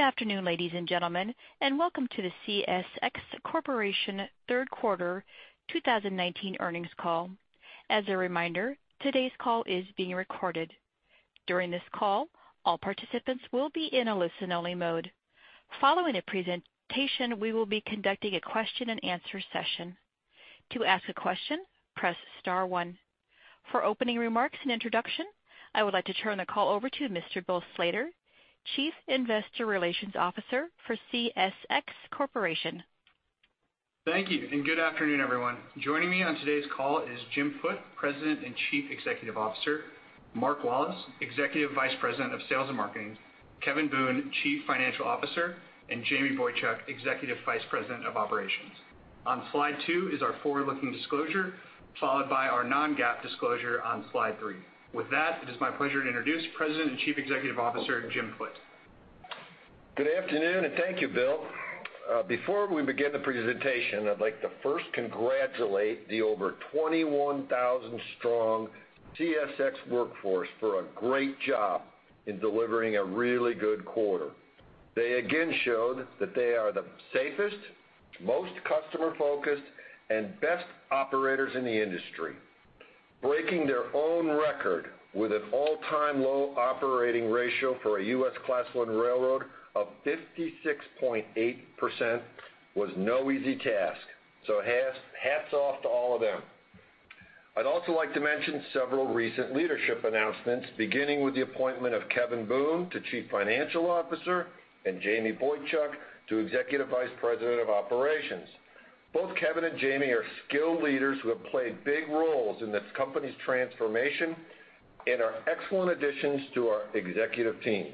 Good afternoon, ladies and gentlemen, and welcome to the CSX Corporation third quarter 2019 earnings call. As a reminder, today's call is being recorded. During this call, all participants will be in a listen-only mode. Following the presentation, we will be conducting a question and answer session. To ask a question, press star 1. For opening remarks and introduction, I would like to turn the call over to Mr. Bill Slater, Chief Investor Relations Officer for CSX Corporation. Thank you, and good afternoon, everyone. Joining me on today's call is Jim Foote, President and Chief Executive Officer, Mark Wallace, Executive Vice President of Sales and Marketing, Kevin Boone, Chief Financial Officer, and Jamie Boychuk, Executive Vice President of Operations. On slide two is our forward-looking disclosure, followed by our non-GAAP disclosure on slide three. With that, it is my pleasure to introduce President and Chief Executive Officer, Jim Foote. Good afternoon, and thank you, Bill. Before we begin the presentation, I'd like to first congratulate the over 21,000-strong CSX workforce for a great job in delivering a really good quarter. They again showed that they are the safest, most customer-focused, and best operators in the industry. Breaking their own record with an all-time low operating ratio for a U.S. Class I railroad of 56.8% was no easy task. Hats off to all of them. I'd also like to mention several recent leadership announcements, beginning with the appointment of Kevin Boone to Chief Financial Officer and Jamie Boychuk to Executive Vice President of Operations. Both Kevin and Jamie are skilled leaders who have played big roles in this company's transformation and are excellent additions to our executive team.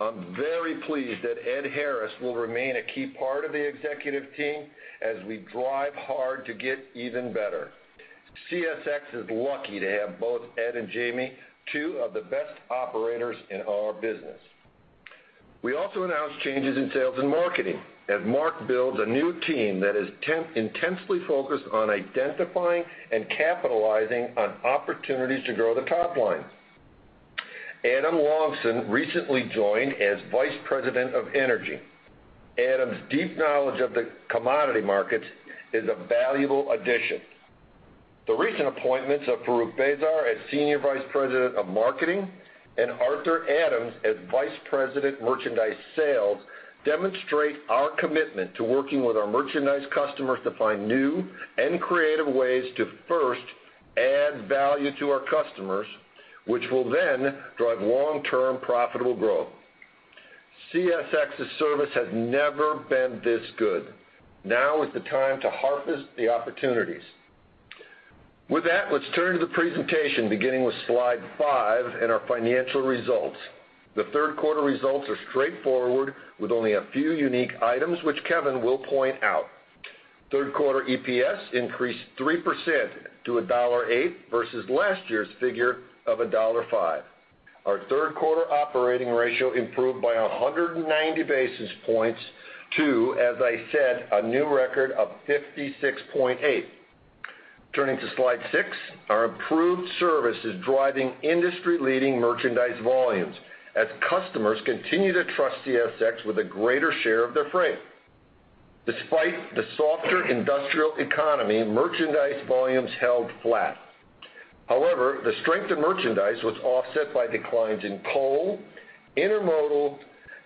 I'm very pleased that Ed Harris will remain a key part of the executive team as we drive hard to get even better. CSX is lucky to have both Ed and Jamie, two of the best operators in our business. We also announced changes in sales and marketing, as Mark builds a new team that is intensely focused on identifying and capitalizing on opportunities to grow the top line. Adam Longson recently joined as Vice President of Energy. Adam's deep knowledge of the commodity markets is a valuable addition. The recent appointments of Farrukh Bezar as Senior Vice President of Marketing and Arthur Adams as Vice President Merchandise Sales demonstrate our commitment to working with our merchandise customers to find new and creative ways to first add value to our customers, which will then drive long-term profitable growth. CSX's service has never been this good. Now is the time to harvest the opportunities. With that, let's turn to the presentation, beginning with slide five and our financial results. The third quarter results are straightforward, with only a few unique items, which Kevin will point out. Third quarter EPS increased 3% to $1.08 versus last year's figure of $1.05. Our third quarter operating ratio improved by 190 basis points to, as I said, a new record of 56.8. Turning to slide six, our improved service is driving industry-leading merchandise volumes as customers continue to trust CSX with a greater share of their freight. Despite the softer industrial economy, merchandise volumes held flat. However, the strength in merchandise was offset by declines in coal, intermodal,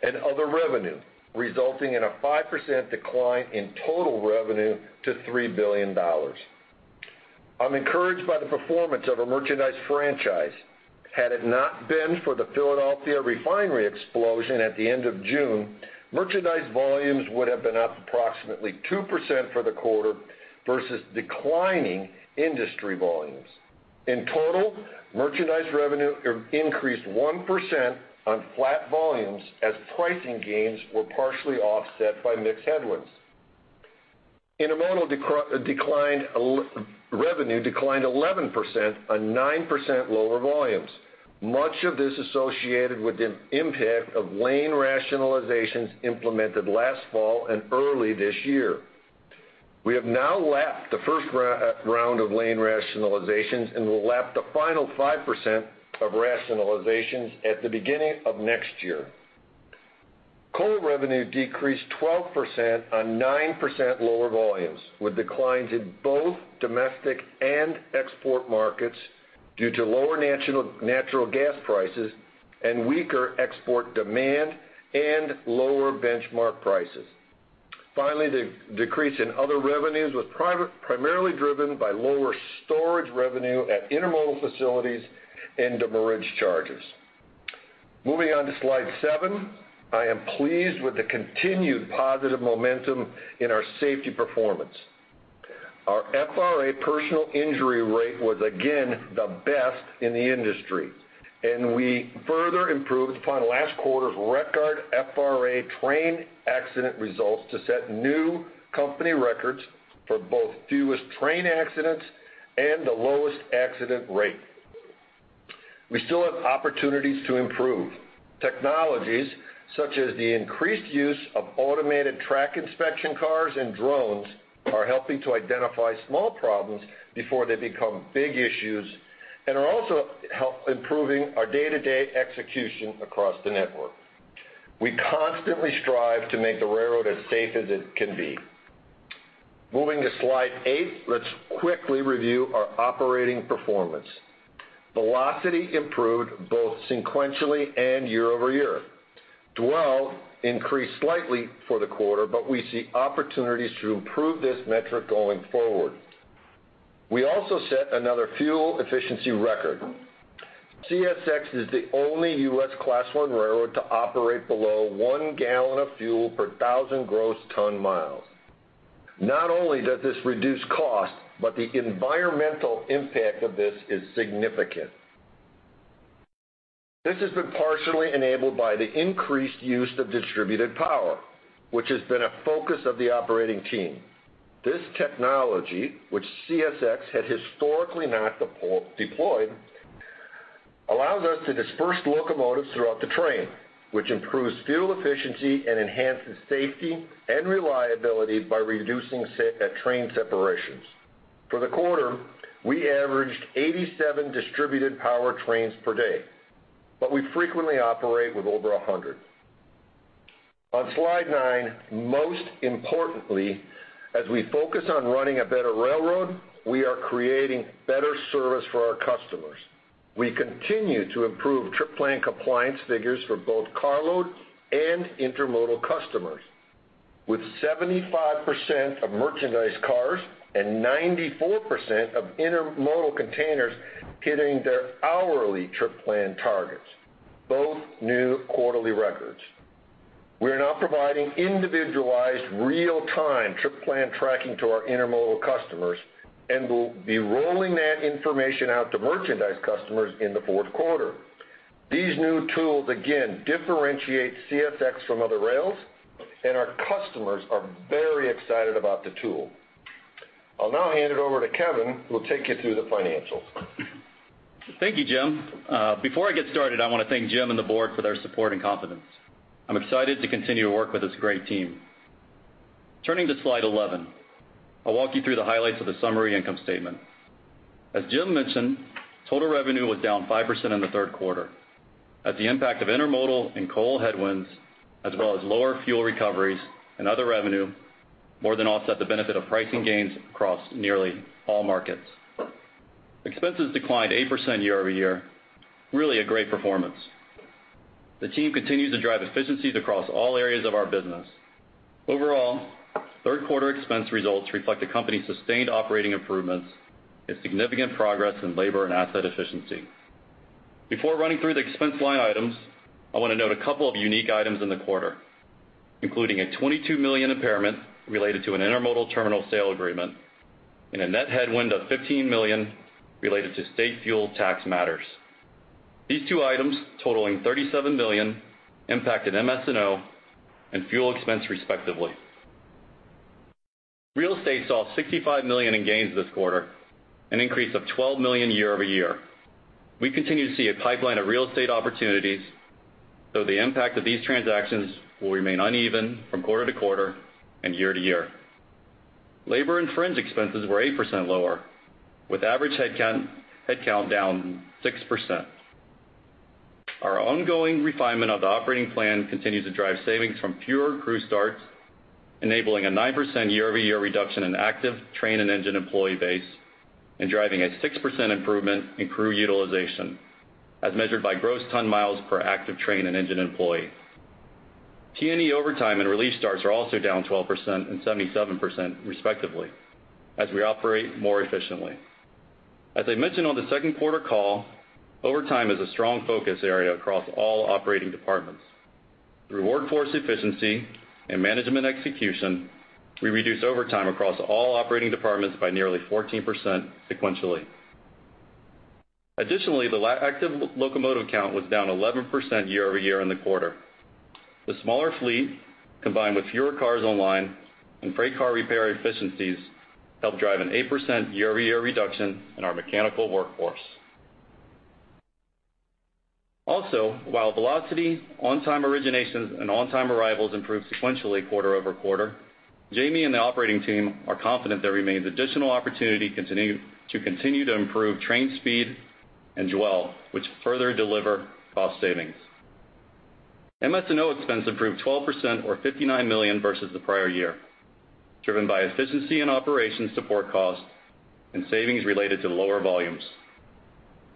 and other revenue, resulting in a 5% decline in total revenue to $3 billion. I'm encouraged by the performance of our merchandise franchise. Had it not been for the Philadelphia refinery explosion at the end of June, merchandise volumes would have been up approximately 2% for the quarter versus declining industry volumes. In total, merchandise revenue increased 1% on flat volumes as pricing gains were partially offset by mixed headwinds. Intermodal revenue declined 11% on 9% lower volumes. Much of this associated with the impact of lane rationalizations implemented last fall and early this year. We have now lapped the first round of lane rationalizations and will lap the final 5% of rationalizations at the beginning of next year. Coal revenue decreased 12% on 9% lower volumes, with declines in both domestic and export markets due to lower natural gas prices and weaker export demand and lower benchmark prices. Finally, the decrease in other revenues was primarily driven by lower storage revenue at intermodal facilities and demurrage charges. Moving on to slide seven, I am pleased with the continued positive momentum in our safety performance. Our FRA personal injury rate was again the best in the industry, and we further improved upon last quarter's record FRA train accident results to set new company records for both fewest train accidents and the lowest accident rate. We still have opportunities to improve. Technologies such as the increased use of automated track inspection cars and drones are helping to identify small problems before they become big issues and are also help improving our day-to-day execution across the network. We constantly strive to make the railroad as safe as it can be. Moving to Slide eight, let's quickly review our operating performance. Velocity improved both sequentially and year-over-year. Dwell increased slightly for the quarter, but we see opportunities to improve this metric going forward. We also set another fuel efficiency record. CSX is the only U.S. Class I railroad to operate below 1 gallon of fuel per 1,000 gross ton miles. Not only does this reduce cost, the environmental impact of this is significant. This has been partially enabled by the increased use of distributed power, which has been a focus of the operating team. This technology, which CSX had historically not deployed, allows us to disperse locomotives throughout the train, which improves fuel efficiency and enhances safety and reliability by reducing train separations. For the quarter, we averaged 87 distributed power trains per day, we frequently operate with over 100. On Slide 9, most importantly, as we focus on running a better railroad, we are creating better service for our customers. We continue to improve trip plan compliance figures for both carload and intermodal customers, with 75% of merchandise cars and 94% of intermodal containers hitting their hourly trip plan targets, both new quarterly records. We are now providing individualized real-time trip plan tracking to our intermodal customers, and we'll be rolling that information out to merchandise customers in the fourth quarter. These new tools, again, differentiate CSX from other rails, and our customers are very excited about the tool. I'll now hand it over to Kevin, who will take you through the financials. Thank you, Jim. Before I get started, I want to thank Jim and the board for their support and confidence. I'm excited to continue to work with this great team. Turning to Slide 11, I'll walk you through the highlights of the summary income statement. As Jim mentioned, total revenue was down 5% in the third quarter, as the impact of intermodal and coal headwinds, as well as lower fuel recoveries and other revenue more than offset the benefit of pricing gains across nearly all markets. Expenses declined 8% year-over-year. Really a great performance. The team continues to drive efficiencies across all areas of our business. Overall, third quarter expense results reflect the company's sustained operating improvements and significant progress in labor and asset efficiency. Before running through the expense line items, I want to note a couple of unique items in the quarter, including a $22 million impairment related to an intermodal terminal sale agreement and a net headwind of $15 million related to state fuel tax matters. These two items, totaling $37 million, impacted MS&O and fuel expense, respectively. Real estate saw $65 million in gains this quarter, an increase of $12 million year-over-year. We continue to see a pipeline of real estate opportunities, though the impact of these transactions will remain uneven from quarter to quarter and year to year. Labor and fringe expenses were 8% lower, with average headcount down 6%. Our ongoing refinement of the operating plan continues to drive savings from fewer crew starts, enabling a 9% year-over-year reduction in active train and engine employee base and driving a 6% improvement in crew utilization, as measured by gross ton miles per active train and engine employee. T&E overtime and relief starts are also down 12% and 77%, respectively, as we operate more efficiently. As I mentioned on the second quarter call, overtime is a strong focus area across all operating departments. Through workforce efficiency and management execution, we reduced overtime across all operating departments by nearly 14% sequentially. Additionally, the active locomotive count was down 11% year-over-year in the quarter. The smaller fleet, combined with fewer cars online and freight car repair efficiencies, helped drive an 8% year-over-year reduction in our mechanical workforce. Also, while velocity, on-time originations, and on-time arrivals improved sequentially quarter-over-quarter, Jamie and the operating team are confident there remains additional opportunity to continue to improve train speed and dwell, which further deliver cost savings. MS&O expense improved 12%, or $59 million versus the prior year, driven by efficiency in operations support costs and savings related to lower volumes.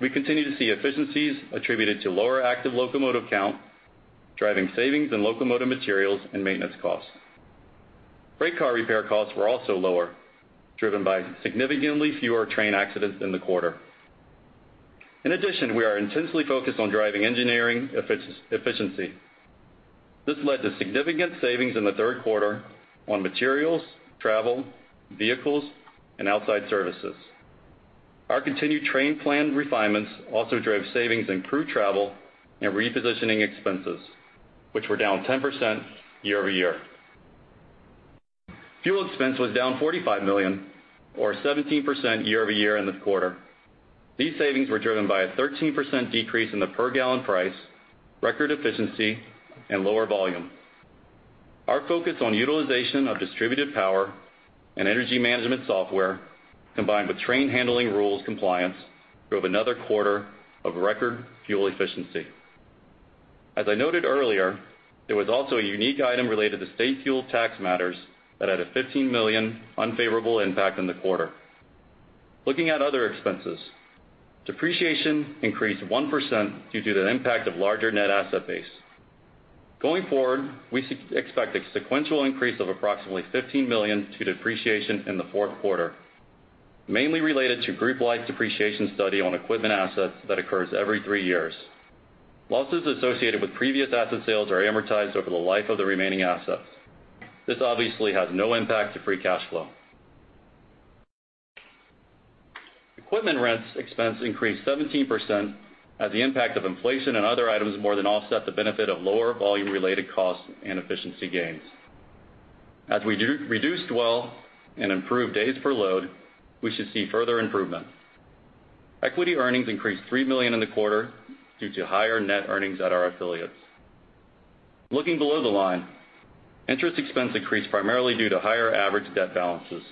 We continue to see efficiencies attributed to lower active locomotive count, driving savings in locomotive materials and maintenance costs. Freight car repair costs were also lower, driven by significantly fewer train accidents in the quarter. In addition, we are intensely focused on driving engineering efficiency. This led to significant savings in the third quarter on materials, travel, vehicles, and outside services. Our continued train plan refinements also drove savings in crew travel and repositioning expenses, which were down 10% year-over-year. Fuel expense was down $45 million, or 17% year-over-year in the quarter. These savings were driven by a 13% decrease in the per gallon price, record efficiency, and lower volume. Our focus on utilization of distributed power and energy management software, combined with train handling rules compliance, drove another quarter of record fuel efficiency. As I noted earlier, there was also a unique item related to state fuel tax matters that had a $15 million unfavorable impact on the quarter. Looking at other expenses, depreciation increased 1% due to the impact of larger net asset base. Going forward, we expect a sequential increase of approximately $15 million to depreciation in the fourth quarter, mainly related to group life depreciation study on equipment assets that occurs every three years. Losses associated with previous asset sales are amortized over the life of the remaining assets. This obviously has no impact to free cash flow. Equipment rents expense increased 17% as the impact of inflation and other items more than offset the benefit of lower volume-related costs and efficiency gains. As we reduce dwell and improve days per load, we should see further improvement. Equity earnings increased $3 million in the quarter due to higher net earnings at our affiliates. Looking below the line, interest expense increased primarily due to higher average debt balances.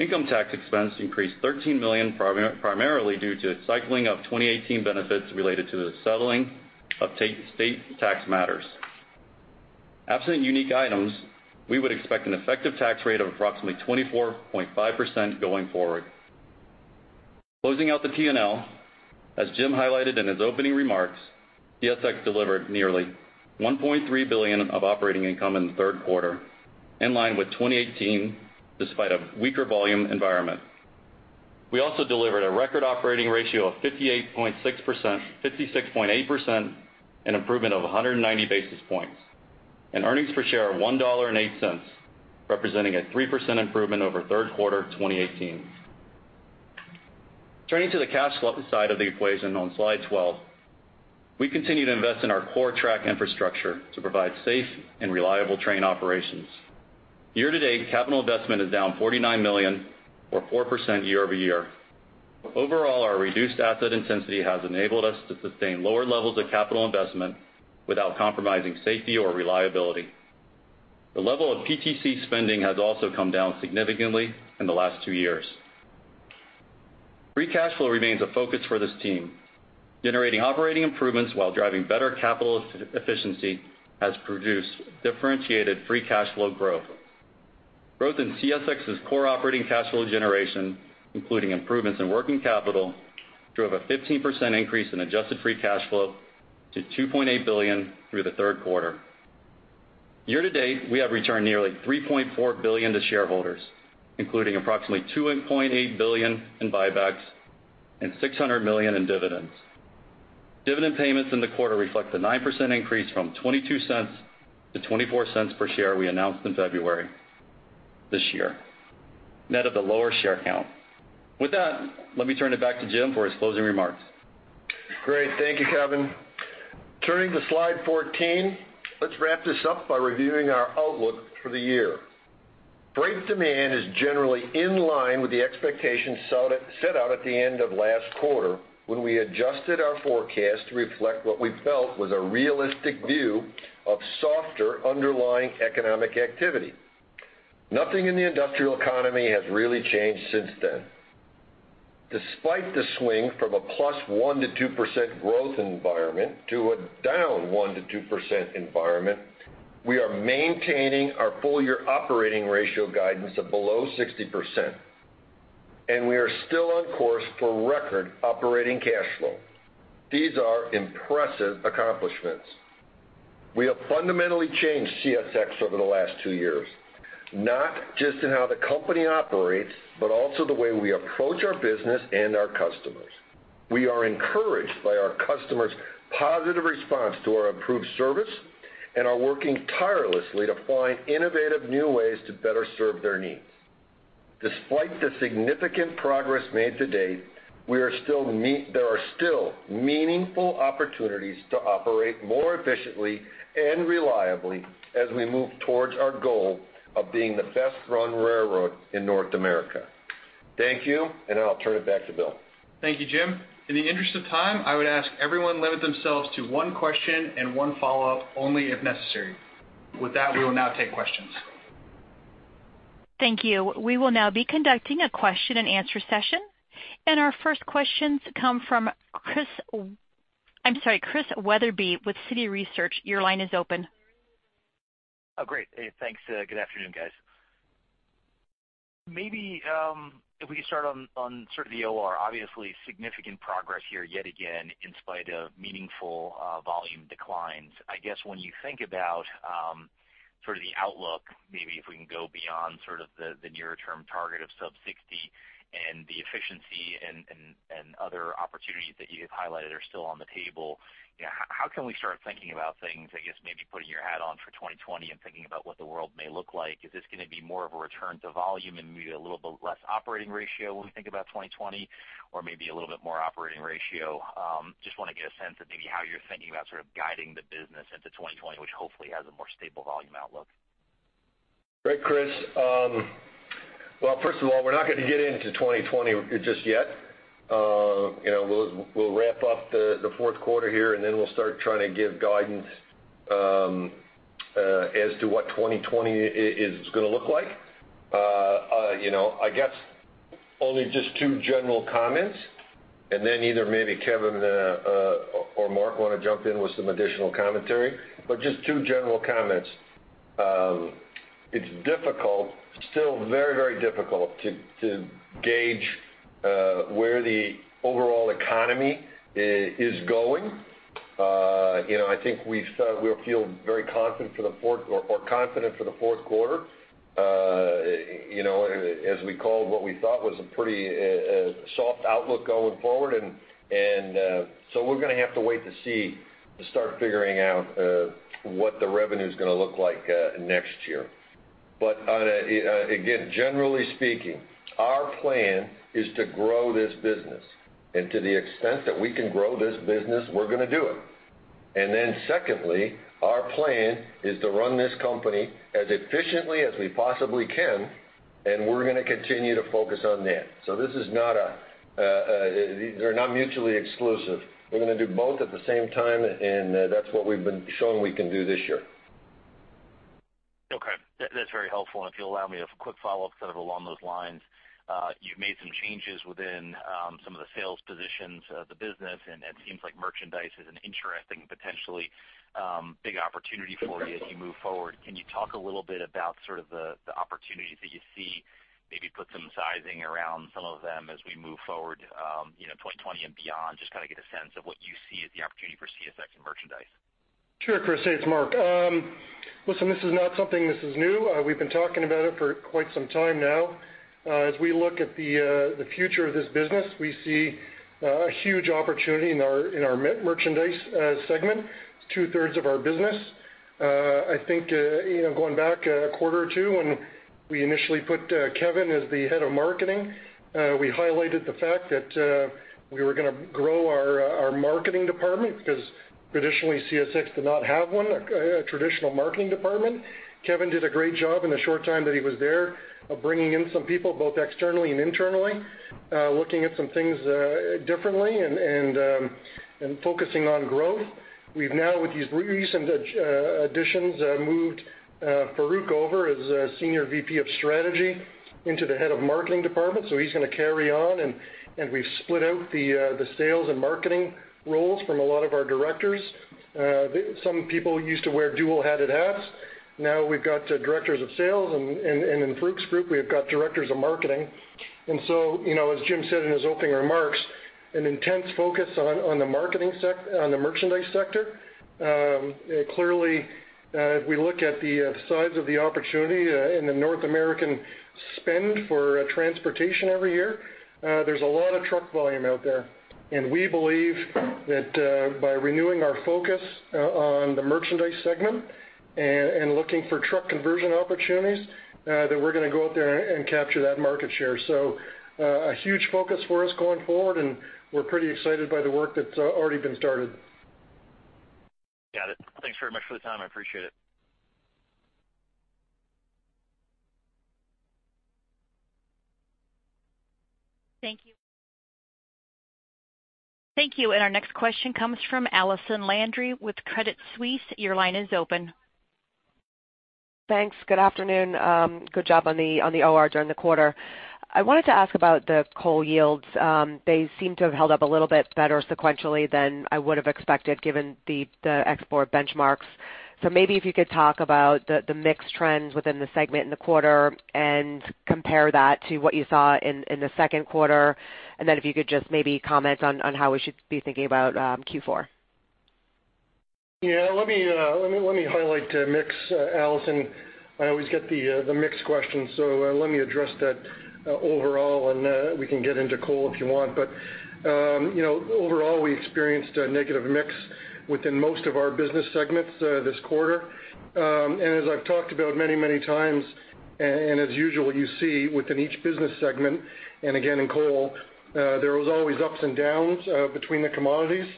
Income tax expense increased $13 million primarily due to cycling of 2018 benefits related to the settling of state tax matters. Absent unique items, we would expect an effective tax rate of approximately 24.5% going forward. Closing out the P&L, as Jim highlighted in his opening remarks, CSX delivered nearly $1.3 billion of operating income in the third quarter, in line with 2018, despite a weaker volume environment. We also delivered a record operating ratio of 56.8%, an improvement of 190 basis points, and earnings per share of $1.08, representing a 3% improvement over third quarter 2018. Turning to the cash flow side of the equation on Slide 12. We continue to invest in our core track infrastructure to provide safe and reliable train operations. Year-to-date, capital investment is down $49 million or 4% year-over-year. Overall, our reduced asset intensity has enabled us to sustain lower levels of capital investment without compromising safety or reliability. The level of PTC spending has also come down significantly in the last two years. Free cash flow remains a focus for this team. Generating operating improvements while driving better capital efficiency has produced differentiated free cash flow growth. Growth in CSX's core operating cash flow generation, including improvements in working capital, drove a 15% increase in adjusted free cash flow to $2.8 billion through the third quarter. Year-to-date, we have returned nearly $3.4 billion to shareholders, including approximately $2.8 billion in buybacks and $600 million in dividends. Dividend payments in the quarter reflect the 9% increase from $0.22 to $0.24 per share we announced in February this year, net of the lower share count. With that, let me turn it back to Jim for his closing remarks. Great. Thank you, Kevin. Turning to Slide 14, let's wrap this up by reviewing our outlook for the year. Freight demand is generally in line with the expectations set out at the end of last quarter, when we adjusted our forecast to reflect what we felt was a realistic view of softer underlying economic activity. Nothing in the industrial economy has really changed since then. Despite the swing from a +1% to +2% growth environment to a -1% to -2% environment, we are maintaining our full-year operating ratio guidance of below 60%. We are still on course for record operating cash flow. These are impressive accomplishments. We have fundamentally changed CSX over the last two years, not just in how the company operates, but also the way we approach our business and our customers. We are encouraged by our customers' positive response to our improved service and are working tirelessly to find innovative new ways to better serve their needs. Despite the significant progress made to date, there are still meaningful opportunities to operate more efficiently and reliably as we move towards our goal of being the best-run railroad in North America. Thank you, and now I'll turn it back to Bill. Thank you, Jim. In the interest of time, I would ask everyone limit themselves to one question and one follow-up only if necessary. We will now take questions. Thank you. We will now be conducting a question-and-answer session. Our first questions come from Christian Wetherbee with Citi Research, your line is open. Oh, great. Thanks. Good afternoon, guys. Maybe if we could start on sort of the OR, obviously significant progress here yet again, in spite of meaningful volume declines. I guess when you think about sort of the outlook, maybe if we can go beyond sort of the nearer term target of sub 60 and the efficiency and other opportunities that you just highlighted are still on the table, how can we start thinking about things, I guess maybe putting your hat on for 2020 and thinking about what the world may look like? Is this going to be more of a return to volume and maybe a little bit less operating ratio when we think about 2020 or maybe a little bit more operating ratio? Just want to get a sense of maybe how you're thinking about sort of guiding the business into 2020, which hopefully has a more stable volume outlook. Great, Chris. Well, first of all, we're not going to get into 2020 just yet. We'll wrap up the fourth quarter here, and then we'll start trying to give guidance as to what 2020 is going to look like, I guess. Only just two general comments, either maybe Kevin or Mark want to jump in with some additional commentary, just two general comments. It's still very difficult to gauge where the overall economy is going. I think we feel very confident for the fourth quarter, as we called what we thought was a pretty soft outlook going forward. We're going to have to wait to see, to start figuring out what the revenue's going to look like next year. Again, generally speaking, our plan is to grow this business, and to the extent that we can grow this business, we're going to do it. Secondly, our plan is to run this company as efficiently as we possibly can, and we're going to continue to focus on that. They're not mutually exclusive. We're going to do both at the same time, and that's what we've been showing we can do this year. Okay. That's very helpful. If you'll allow me a quick follow-up sort of along those lines, you've made some changes within some of the sales positions of the business, and it seems like merchandise is an interesting, potentially big opportunity for you as you move forward. Can you talk a little bit about sort of the opportunities that you see, maybe put some sizing around some of them as we move forward, 2020 and beyond, just kind of get a sense of what you see as the opportunity for CSX in merchandise. Sure, Chris. Hey, it's Mark. Listen, this is not something that is new. We've been talking about it for quite some time now. As we look at the future of this business, we see a huge opportunity in our merchandise segment. It's two-thirds of our business. I think, going back a quarter or two when we initially put Kevin as the head of marketing, we highlighted the fact that we were going to grow our marketing department because traditionally, CSX did not have one, a traditional marketing department. Kevin did a great job in the short time that he was there of bringing in some people, both externally and internally, looking at some things differently and focusing on growth. We've now, with these recent additions, moved Farrukh over as Senior Vice President of Strategy into the head of marketing department. He's going to carry on, and we've split out the sales and marketing roles from a lot of our directors. Some people used to wear dual-hatted hats. Now we've got directors of sales, and in Farrukh's group, we've got directors of marketing. As Jim said in his opening remarks, an intense focus on the merchandise sector. Clearly, if we look at the size of the opportunity in the North American spend for transportation every year, there's a lot of truck volume out there. We believe that by renewing our focus on the merchandise segment and looking for truck conversion opportunities, that we're going to go out there and capture that market share. A huge focus for us going forward, and we're pretty excited by the work that's already been started. Got it. Thanks very much for the time. I appreciate it. Thank you. Thank you. Our next question comes from Allison Landry with Credit Suisse. Your line is open. Thanks. Good afternoon. Good job on the OR during the quarter. I wanted to ask about the coal yields. They seem to have held up a little bit better sequentially than I would have expected given the export benchmarks. Maybe if you could talk about the mix trends within the segment in the quarter and compare that to what you saw in the second quarter, and then if you could just maybe comment on how we should be thinking about Q4. Yeah, let me highlight mix, Allison. I always get the mix question. Let me address that overall. We can get into coal if you want. Overall, we experienced a negative mix within most of our business segments this quarter. As I've talked about many times, and as usual, you see within each business segment, and again in coal, there was always ups and downs between the commodities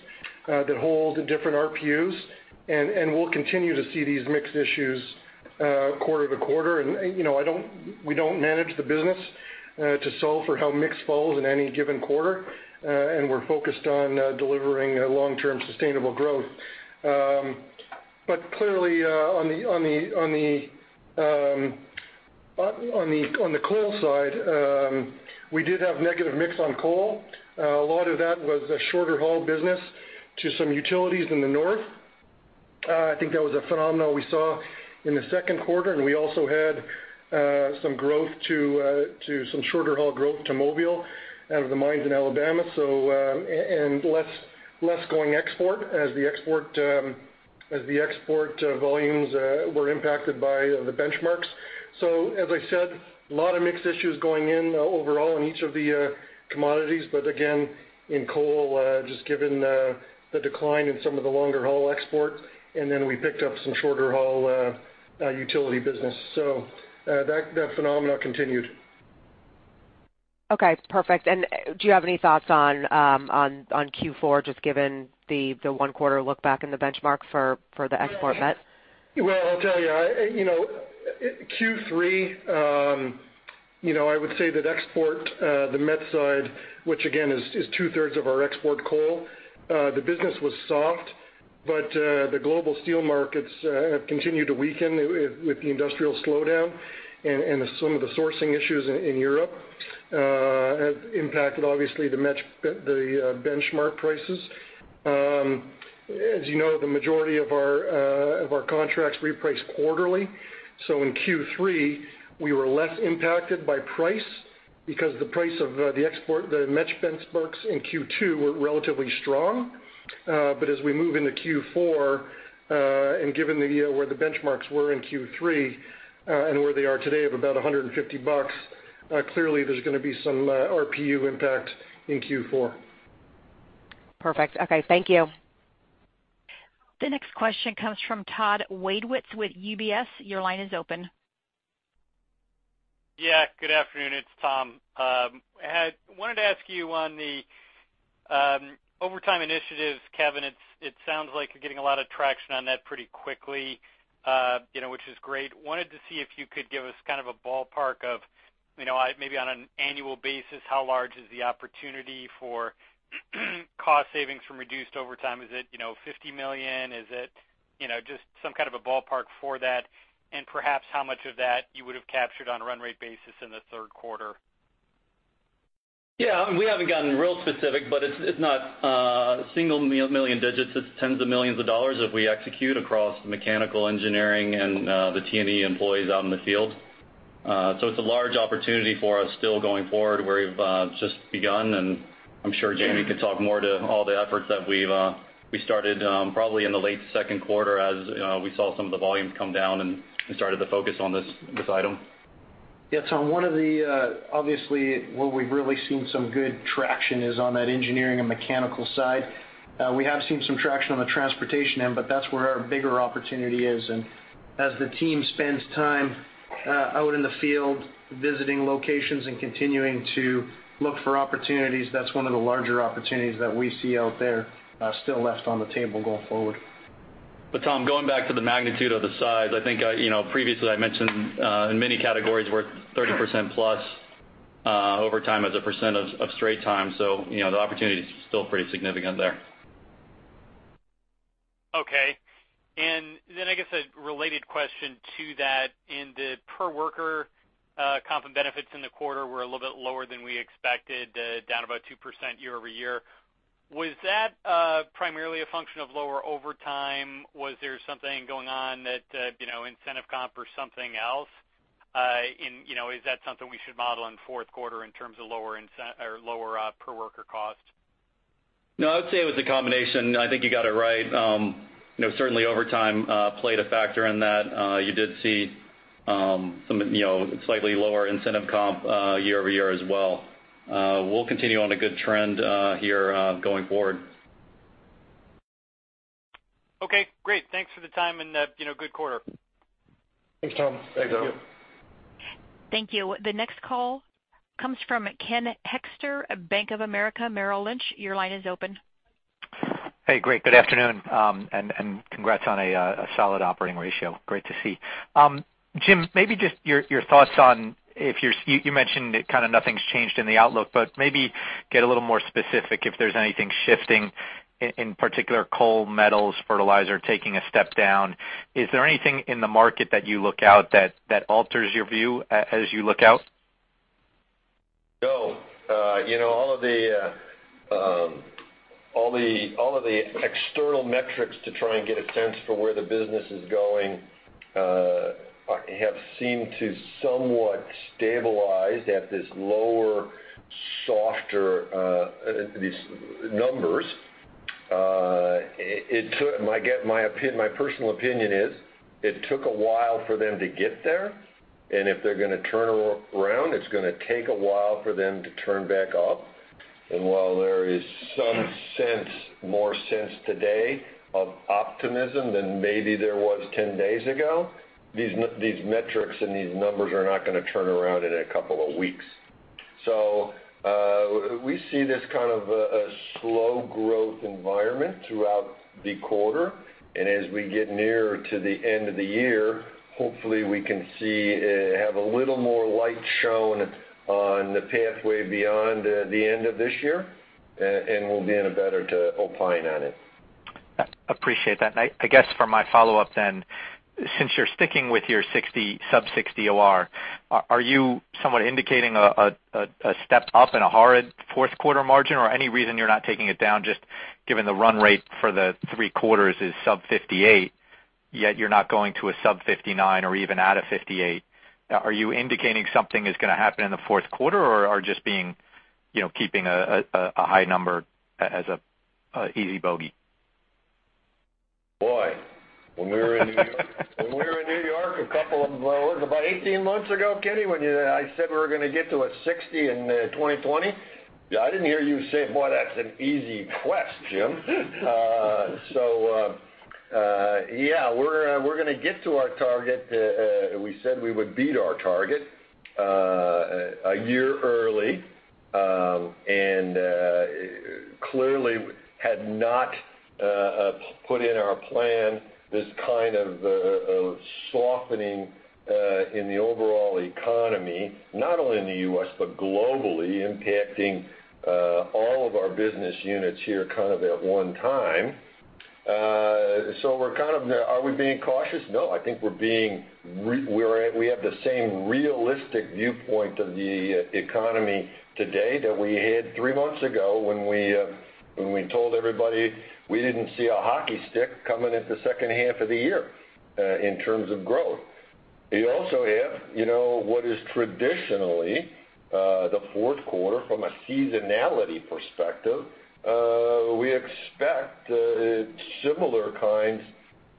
that haul the different RPUs, and we'll continue to see these mix issues quarter to quarter. We don't manage the business to solve for how mix falls in any given quarter. We're focused on delivering long-term sustainable growth. Clearly, on the coal side, we did have negative mix on coal. A lot of that was the shorter-haul business to some utilities in the north. I think that was a phenomena we saw in the second quarter, and we also had some shorter-haul growth to Mobile, out of the mines in Alabama. Less going export, as the export volumes were impacted by the benchmarks. As I said, a lot of mix issues going in overall in each of the commodities. Again, in coal, just given the decline in some of the longer-haul export, and then we picked up some shorter-haul utility business. That phenomena continued. Okay, perfect. Do you have any thoughts on Q4, just given the one quarter look back in the benchmark for the export met? Well, I'll tell you, Q3, I would say that export, the met side, which again is two-thirds of our export coal, the business was soft. The global steel markets have continued to weaken with the industrial slowdown, and some of the sourcing issues in Europe have impacted, obviously, the benchmark prices. As you know, the majority of our contracts reprice quarterly. In Q3, we were less impacted by price because the price of the export, the met benchmarks in Q2 were relatively strong. As we move into Q4, and given where the benchmarks were in Q3 and where they are today of about $150, clearly there's going to be some RPU impact in Q4. Perfect. Okay. Thank you. The next question comes from Thomas Wadewitz with UBS. Your line is open. Yeah, good afternoon. It's Tom. I wanted to ask you on the overtime initiatives, Kevin. It sounds like you're getting a lot of traction on that pretty quickly, which is great. Wanted to see if you could give us kind of a ballpark of, maybe on an annual basis, how large is the opportunity for cost savings from reduced overtime? Is it $50 million? Just some kind of a ballpark for that, and perhaps how much of that you would have captured on a run rate basis in the third quarter. Yeah. We haven't gotten real specific, it's not single million digits. It's tens of millions of dollars if we execute across mechanical engineering and the T&E employees out in the field. It's a large opportunity for us still going forward, where we've just begun, and I'm sure Jamie could talk more to all the efforts that we started probably in the late second quarter as we saw some of the volume come down and started to focus on this item. Yeah, Tom, obviously, where we've really seen some good traction is on that engineering and mechanical side. We have seen some traction on the transportation end, but that's where our bigger opportunity is. As the team spends time out in the field visiting locations and continuing to look for opportunities, that's one of the larger opportunities that we see out there still left on the table going forward. Tom, going back to the magnitude of the size, I think previously I mentioned in many categories we're 30% plus overtime as a percent of straight time. The opportunity is still pretty significant there. Okay. I guess a related question to that, in the per worker comp and benefits in the quarter were a little bit lower than we expected, down about 2% year-over-year. Was that primarily a function of lower overtime? Was there something going on that, incentive comp or something else? Is that something we should model in the fourth quarter in terms of lower per worker cost? No, I would say it was a combination. I think you got it right. Certainly overtime played a factor in that. You did see some slightly lower incentive comp year-over-year as well. We'll continue on a good trend here going forward. Okay, great. Thanks for the time and good quarter. Thanks, Tom. Thanks. Thank you. The next call comes from Ken Hoexter of Bank of America Merrill Lynch. Your line is open. Hey, great. Good afternoon. Congrats on a solid operating ratio. Great to see. Jim, maybe just your thoughts on. You mentioned that kind of nothing's changed in the outlook, but maybe get a little more specific if there's anything shifting, in particular coal, metals, fertilizer, taking a step down. Is there anything in the market that you look out that alters your view as you look out? No. All of the external metrics to try and get a sense for where the business is going have seemed to somewhat stabilize at this lower, softer, these numbers. My personal opinion is it took a while for them to get there, and if they're going to turn around, it's going to take a while for them to turn back up. While there is some sense, more sense today of optimism than maybe there was 10 days ago, these metrics and these numbers are not going to turn around in a couple of weeks. We see this kind of a slow growth environment throughout the quarter. As we get nearer to the end of the year, hopefully we can have a little more light shone on the pathway beyond the end of this year, and we'll be in a better to opine on it. Appreciate that. I guess for my follow-up, since you're sticking with your sub-60 OR, are you somewhat indicating a step up and a hard fourth quarter margin or any reason you're not taking it down, just given the run rate for the three quarters is sub-58, yet you're not going to a sub-59 or even at a 58. Are you indicating something is going to happen in the fourth quarter or are just keeping a high number as an easy bogey? Boy. When we were in New York a couple of was it about 18 months ago, Kenny, when I said we were going to get to a 60 in 2020? Yeah, I didn't hear you say, "Boy, that's an easy quest, Jim." Yeah, we're going to get to our target. We said we would beat our target a year early. Clearly had not put in our plan this kind of softening in the overall economy, not only in the U.S. but globally impacting our business units here kind of at one time. Are we being cautious? No, I think we have the same realistic viewpoint of the economy today that we had three months ago when we told everybody we didn't see a hockey stick coming at the second half of the year in terms of growth. You also have what is traditionally the fourth quarter from a seasonality perspective. We expect similar kinds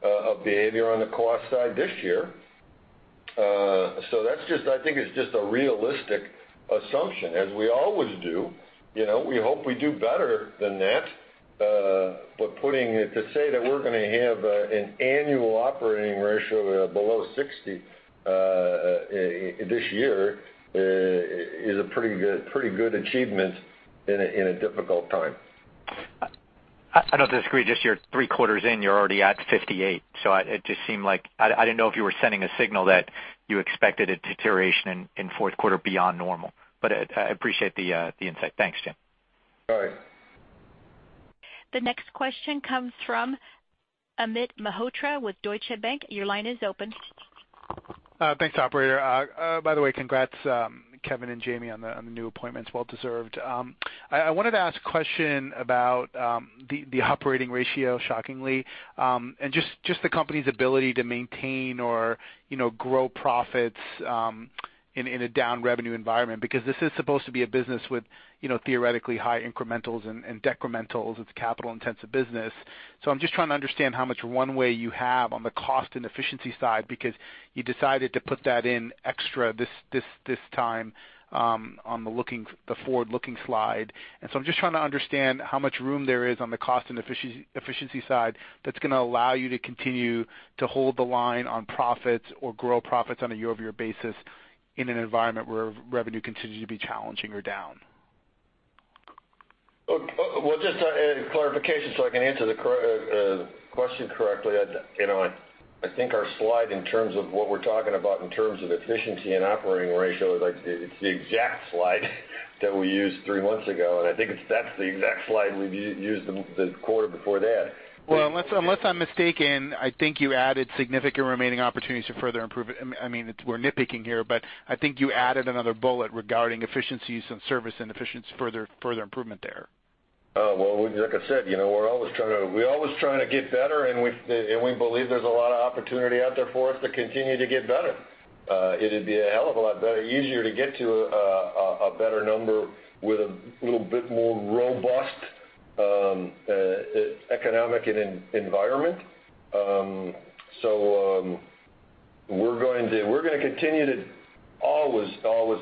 of behavior on the cost side this year. I think it's just a realistic assumption, as we always do. We hope we do better than that. To say that we're going to have an annual operating ratio below 60 this year is a pretty good achievement in a difficult time. I don't disagree, just you're three quarters in, you're already at 58, so it just seemed like I didn't know if you were sending a signal that you expected a deterioration in fourth quarter beyond normal, but I appreciate the insight. Thanks, Jim. All right. The next question comes from Amit Mehrotra with Deutsche Bank. Your line is open. Thanks, operator. By the way, congrats, Kevin and Jamie, on the new appointments, well deserved. I wanted to ask a question about the operating ratio, shockingly, and just the company's ability to maintain or grow profits in a down revenue environment, because this is supposed to be a business with theoretically high incrementals and decrementals. It's a capital intensive business. I'm just trying to understand how much one way you have on the cost and efficiency side, because you decided to put that in extra this time on the forward-looking slide. I'm just trying to understand how much room there is on the cost and efficiency side that's going to allow you to continue to hold the line on profits or grow profits on a year-over-year basis in an environment where revenue continues to be challenging or down. Well, just a clarification so I can answer the question correctly. I think our slide in terms of what we're talking about in terms of efficiency and operating ratio is like, it's the exact slide that we used three months ago, and I think that's the exact slide we've used the quarter before that. Unless I'm mistaken, I think you added significant remaining opportunities for further improvement. We're nitpicking here, but I think you added another bullet regarding efficiencies and service and further improvement there. Well, like I said, we're always trying to get better, and we believe there's a lot of opportunity out there for us to continue to get better. It'd be a hell of a lot better, easier to get to a better number with a little bit more robust economic environment. We're going to continue to always focus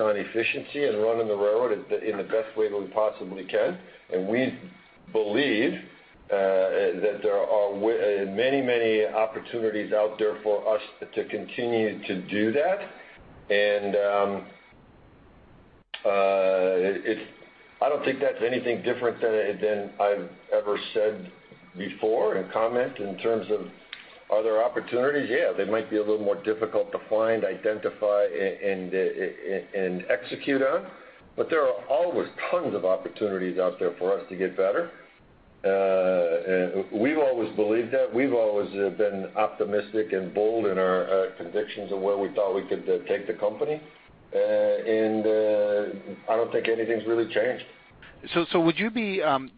on efficiency and running the railroad in the best way that we possibly can. We believe that there are many opportunities out there for us to continue to do that. I don't think that's anything different than I've ever said before in comment in terms of other opportunities. Yeah, they might be a little more difficult to find, identify, and execute on, but there are always tons of opportunities out there for us to get better. We've always believed that. We've always been optimistic and bold in our convictions of where we thought we could take the company. I don't think anything's really changed.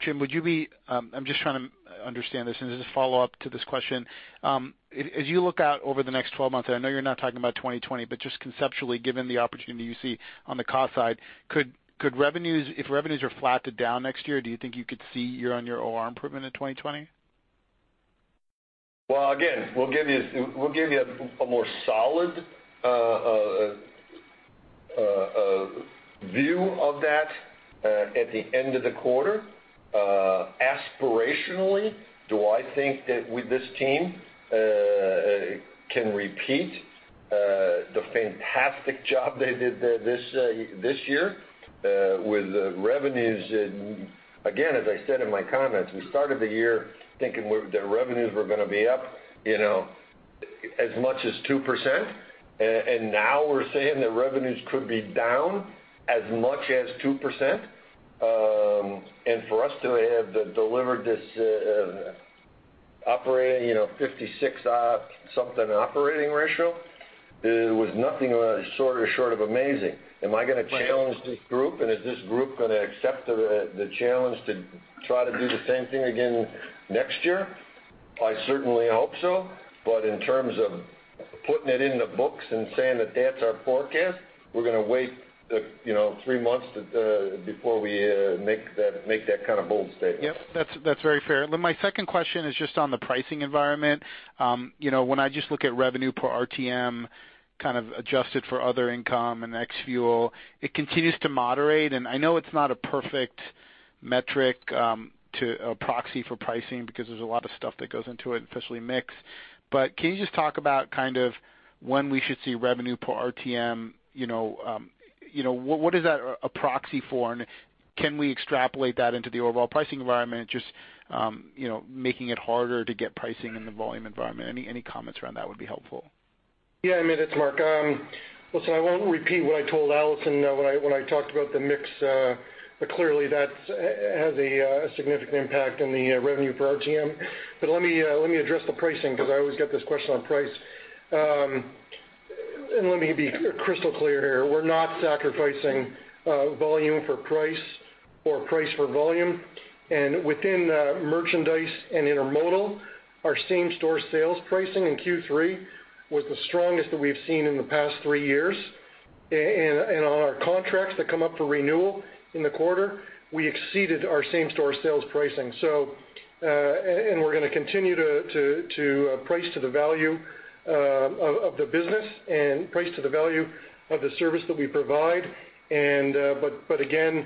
Jim, I'm just trying to understand this, and this is a follow-up to this question. As you look out over the next 12 months, and I know you're not talking about 2020, but just conceptually, given the opportunity you see on the cost side, if revenues are flat to down next year, do you think you could see year-on-year OR improvement in 2020? Well, again, we'll give you a more solid view of that at the end of the quarter. Aspirationally, do I think that with this team can repeat the fantastic job they did this year with revenues? Again, as I said in my comments, we started the year thinking that revenues were going to be up as much as 2%, and now we're saying that revenues could be down as much as 2%. For us to have delivered this operating 56-something operating ratio, it was nothing sort of short of amazing. Am I going to challenge this group, and is this group going to accept the challenge to try to do the same thing again next year? I certainly hope so. In terms of putting it in the books and saying that that's our forecast, we're going to wait three months before we make that kind of bold statement. Yep. That's very fair. My second question is just on the pricing environment. When I just look at revenue per RTM, kind of adjusted for other income and ex fuel, it continues to moderate, and I know it's not a perfect metric to proxy for pricing because there's a lot of stuff that goes into it, especially mix. Can you just talk about when we should see revenue per RTM? What is that a proxy for, and can we extrapolate that into the overall pricing environment, just making it harder to get pricing in the volume environment? Any comments around that would be helpful. Yeah, it's Mark. Listen, I won't repeat what I told Allison when I talked about the mix, clearly that has a significant impact on the revenue for RTM. Let me address the pricing, because I always get this question on price. Let me be crystal clear here. We're not sacrificing volume for price or price for volume. Within merchandise and intermodal, our same-store sales pricing in Q3 was the strongest that we've seen in the past three years. On our contracts that come up for renewal in the quarter, we exceeded our same-store sales pricing. We're going to continue to price to the value of the business and price to the value of the service that we provide. Again,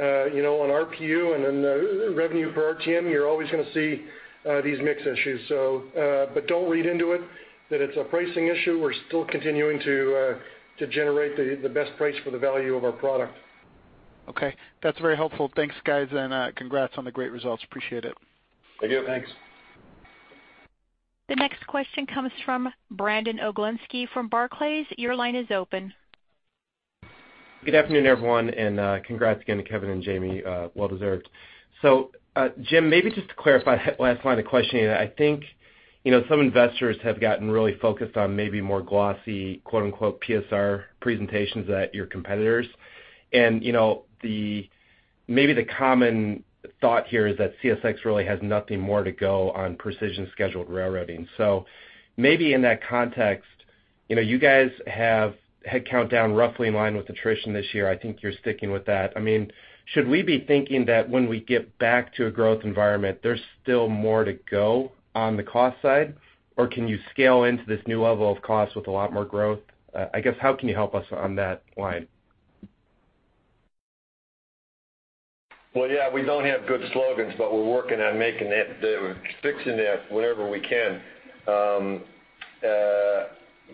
on RPU and the revenue for RTM, you're always going to see these mix issues. Don't read into it that it's a pricing issue. We're still continuing to generate the best price for the value of our product. Okay. That's very helpful. Thanks, guys, and congrats on the great results. Appreciate it. Thank you. Thanks. The next question comes from Brandon Oglenski from Barclays. Your line is open. Good afternoon, everyone, and congrats again to Kevin and Jamie. Well deserved. Jim, maybe just to clarify that last line of questioning, I think some investors have gotten really focused on maybe more glossy, quote-unquote, "PSR presentations" at your competitors. Maybe the common thought here is that CSX really has nothing more to go on precision scheduled railroading. Maybe in that context, you guys have headcount down roughly in line with attrition this year. I think you're sticking with that. Should we be thinking that when we get back to a growth environment, there's still more to go on the cost side? Or can you scale into this new level of cost with a lot more growth? I guess, how can you help us on that line? Well, yeah, we don't have good slogans, but we're working on fixing that whenever we can.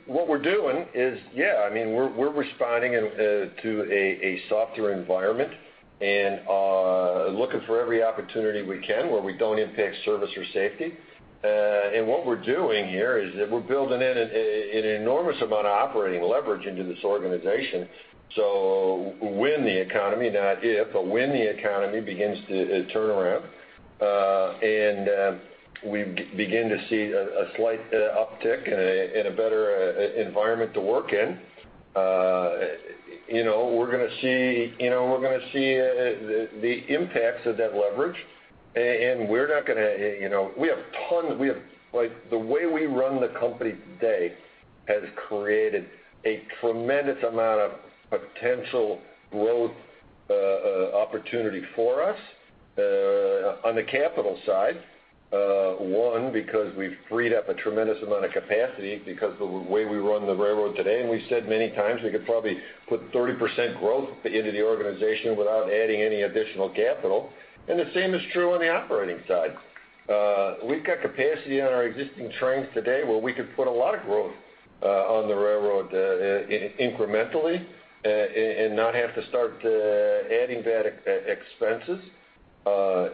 What we're doing is, yeah, we're responding to a softer environment and looking for every opportunity we can where we don't impact service or safety. What we're doing here is that we're building in an enormous amount of operating leverage into this organization. When the economy, not if, but when the economy begins to turn around, and we begin to see a slight uptick and a better environment to work in, we're going to see the impacts of that leverage. The way we run the company today has created a tremendous amount of potential growth opportunity for us on the capital side. Because we've freed up a tremendous amount of capacity because of the way we run the railroad today, we said many times, we could probably put 30% growth into the organization without adding any additional capital. The same is true on the operating side. We've got capacity on our existing trains today where we could put a lot of growth on the railroad incrementally and not have to start adding bad expenses. Both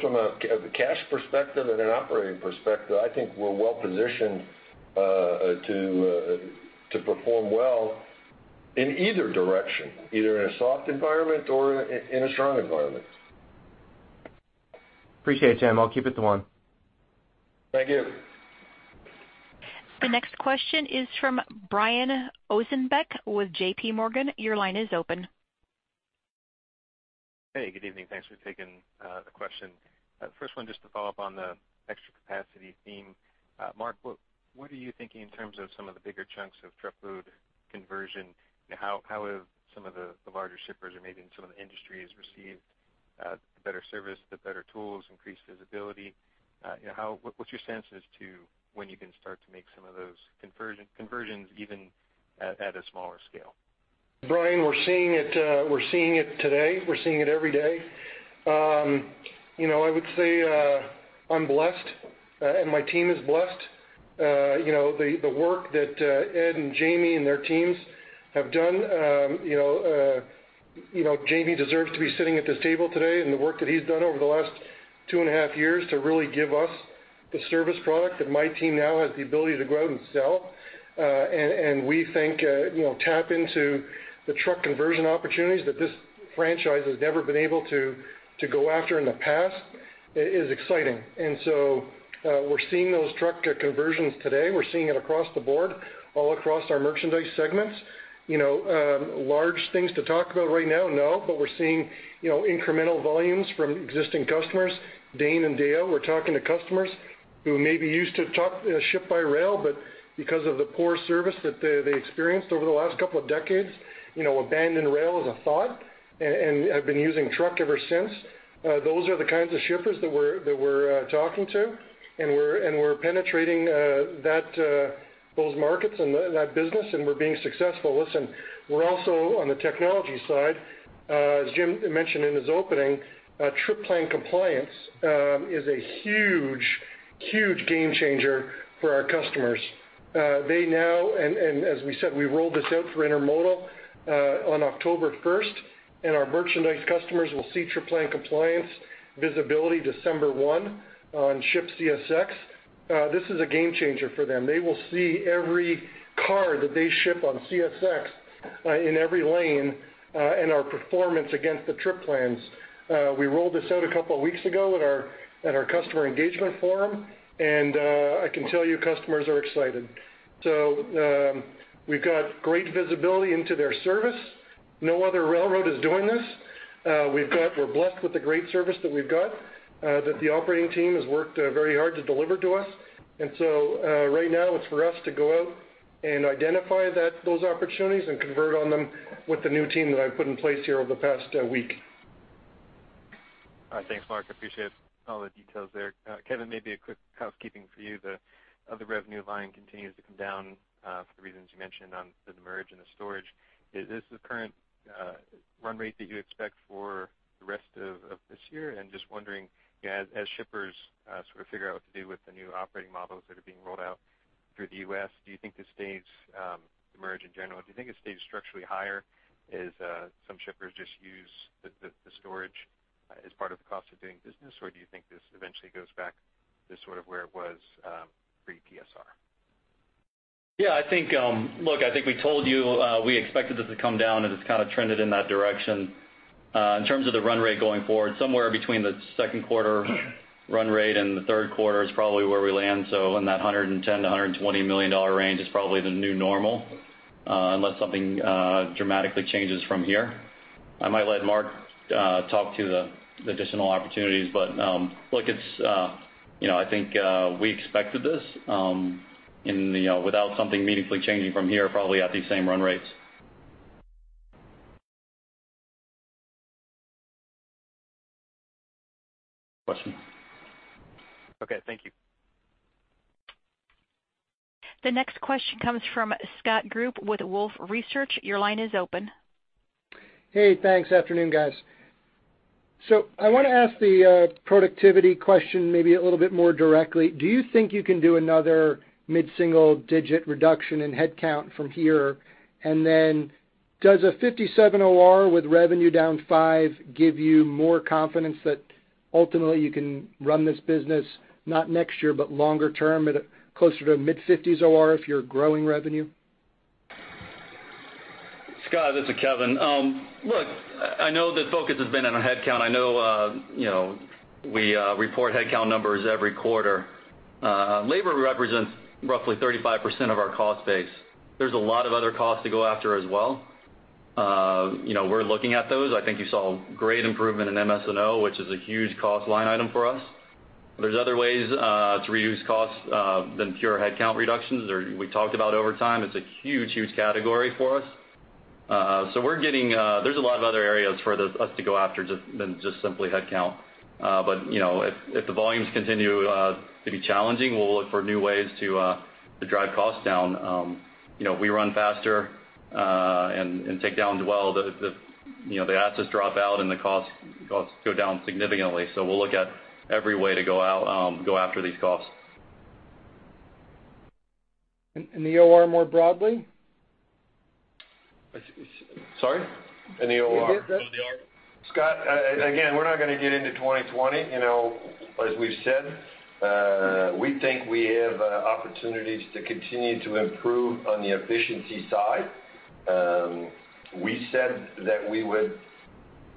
from a cash perspective and an operating perspective, I think we're well positioned to perform well in either direction, either in a soft environment or in a strong environment. Appreciate it, Jim. I'll keep it to one. Thank you. The next question is from Brian Ossenbeck with J.P. Morgan. Your line is open. Hey, good evening. Thanks for taking the question. First one, just to follow up on the extra capacity theme. Mark, what are you thinking in terms of some of the bigger chunks of truckload conversion? How have some of the larger shippers, or maybe even some of the industries, received better service, the better tools, increased visibility? What are your senses to when you can start to make some of those conversions, even at a smaller scale? Brian, we're seeing it today. We're seeing it every day. I would say, I'm blessed and my team is blessed. The work that Ed and Jamie and their teams have done, Jamie deserves to be sitting at this table today and the work that he's done over the last two and a half years to really give us the service product that my team now has the ability to go out and sell, and we think tap into the truck conversion opportunities that this franchise has never been able to go after in the past, is exciting. We're seeing those truck conversions today. We're seeing it across the board, all across our merchandise segments. Large things to talk about right now, no, but we're seeing incremental volumes from existing customers. Dane and Dale were talking to customers who maybe used to ship by rail, but because of the poor service that they experienced over the last couple of decades, abandoned rail as a thought, and have been using truck ever since. Those are the kinds of shippers that we're talking to, and we're penetrating those markets and that business, and we're being successful. Listen, we're also on the technology side. As Jim mentioned in his opening, trip plan compliance is a huge game changer for our customers. As we said, we rolled this out for intermodal on October 1st, and our merchandise customers will see trip plan compliance visibility December 1 on ShipCSX. This is a game changer for them. They will see every car that they ship on CSX in every lane, and our performance against the trip plans. We rolled this out a couple of weeks ago at our customer engagement forum. I can tell you customers are excited. We've got great visibility into their service. No other railroad is doing this. We're blessed with the great service that we've got, that the operating team has worked very hard to deliver to us. Right now it's for us to go out and identify those opportunities and convert on them with the new team that I've put in place here over the past week. All right. Thanks, Mark. Appreciate all the details there. Kevin, maybe a quick housekeeping for you, the other revenue line continues to come down for the reasons you mentioned on the demurrage and the storage. Is this the current run rate that you expect for the rest of this year? Just wondering as shippers sort of figure out what to do with the new operating models that are being rolled out through the U.S., do you think this stays, demurrage in general, do you think it stays structurally higher as some shippers just use the storage as part of the cost of doing business? Or do you think this eventually goes back to sort of where it was, pre-PSR? Yeah, look, I think we told you we expected this to come down. It's kind of trended in that direction. In terms of the run rate going forward, somewhere between the second quarter run rate and the third quarter is probably where we land. In that $110 million-$120 million range is probably the new normal, unless something dramatically changes from here. I might let Mark talk to the additional opportunities. Look, I think we expected this without something meaningfully changing from here, probably at these same run rates. Question. Okay, thank you. The next question comes from Scott Group with Wolfe Research. Your line is open. Hey, thanks. Afternoon, guys. I want to ask the productivity question maybe a little bit more directly. Do you think you can do another mid-single digit reduction in headcount from here? Does a 57 OR with revenue down 5% give you more confidence that ultimately you can run this business, not next year, but longer term at closer to mid-fifties OR if you're growing revenue? Scott, this is Kevin. I know the focus has been on headcount. I know we report headcount numbers every quarter. Labor represents roughly 35% of our cost base. There's a lot of other costs to go after as well. We're looking at those. I think you saw great improvement in MS&O, which is a huge cost line item for us. There's other ways to reduce costs than pure headcount reductions. We talked about overtime. It's a huge category for us. There's a lot of other areas for us to go after than just simply headcount. If the volumes continue to be challenging, we'll look for new ways to drive costs down. If we run faster, and take down well, the assets drop out and the costs go down significantly. We'll look at every way to go after these costs. The OR more broadly? Sorry? In the OR. You did good. Scott, again, we're not going to get into 2020. As we've said, we think we have opportunities to continue to improve on the efficiency side. We said that we would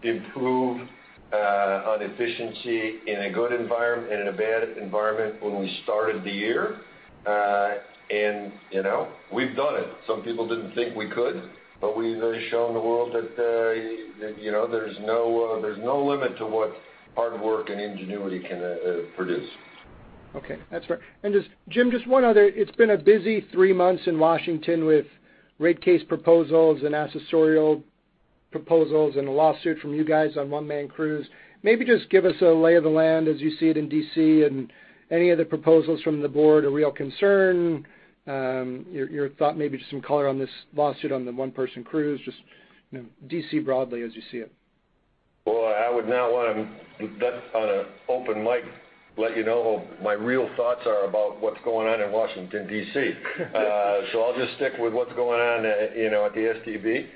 improve on efficiency in a good environment and in a bad environment when we started the year. We've done it. Some people didn't think we could, but we've shown the world that there's no limit to what hard work and ingenuity can produce. Okay. That's fair. Just, Jim, just one other. It's been a busy three months in Washington with rate case proposals and accessorial proposals and a lawsuit from you guys on one-man crews. Maybe just give us a lay of the land as you see it in D.C. and any of the proposals from the board a real concern, your thought, maybe just some color on this lawsuit on the one-person crews, just D.C. broadly as you see it? Boy, I would not want to, on an open mic, let you know what my real thoughts are about what's going on in Washington, D.C. I'll just stick with what's going on at the STB.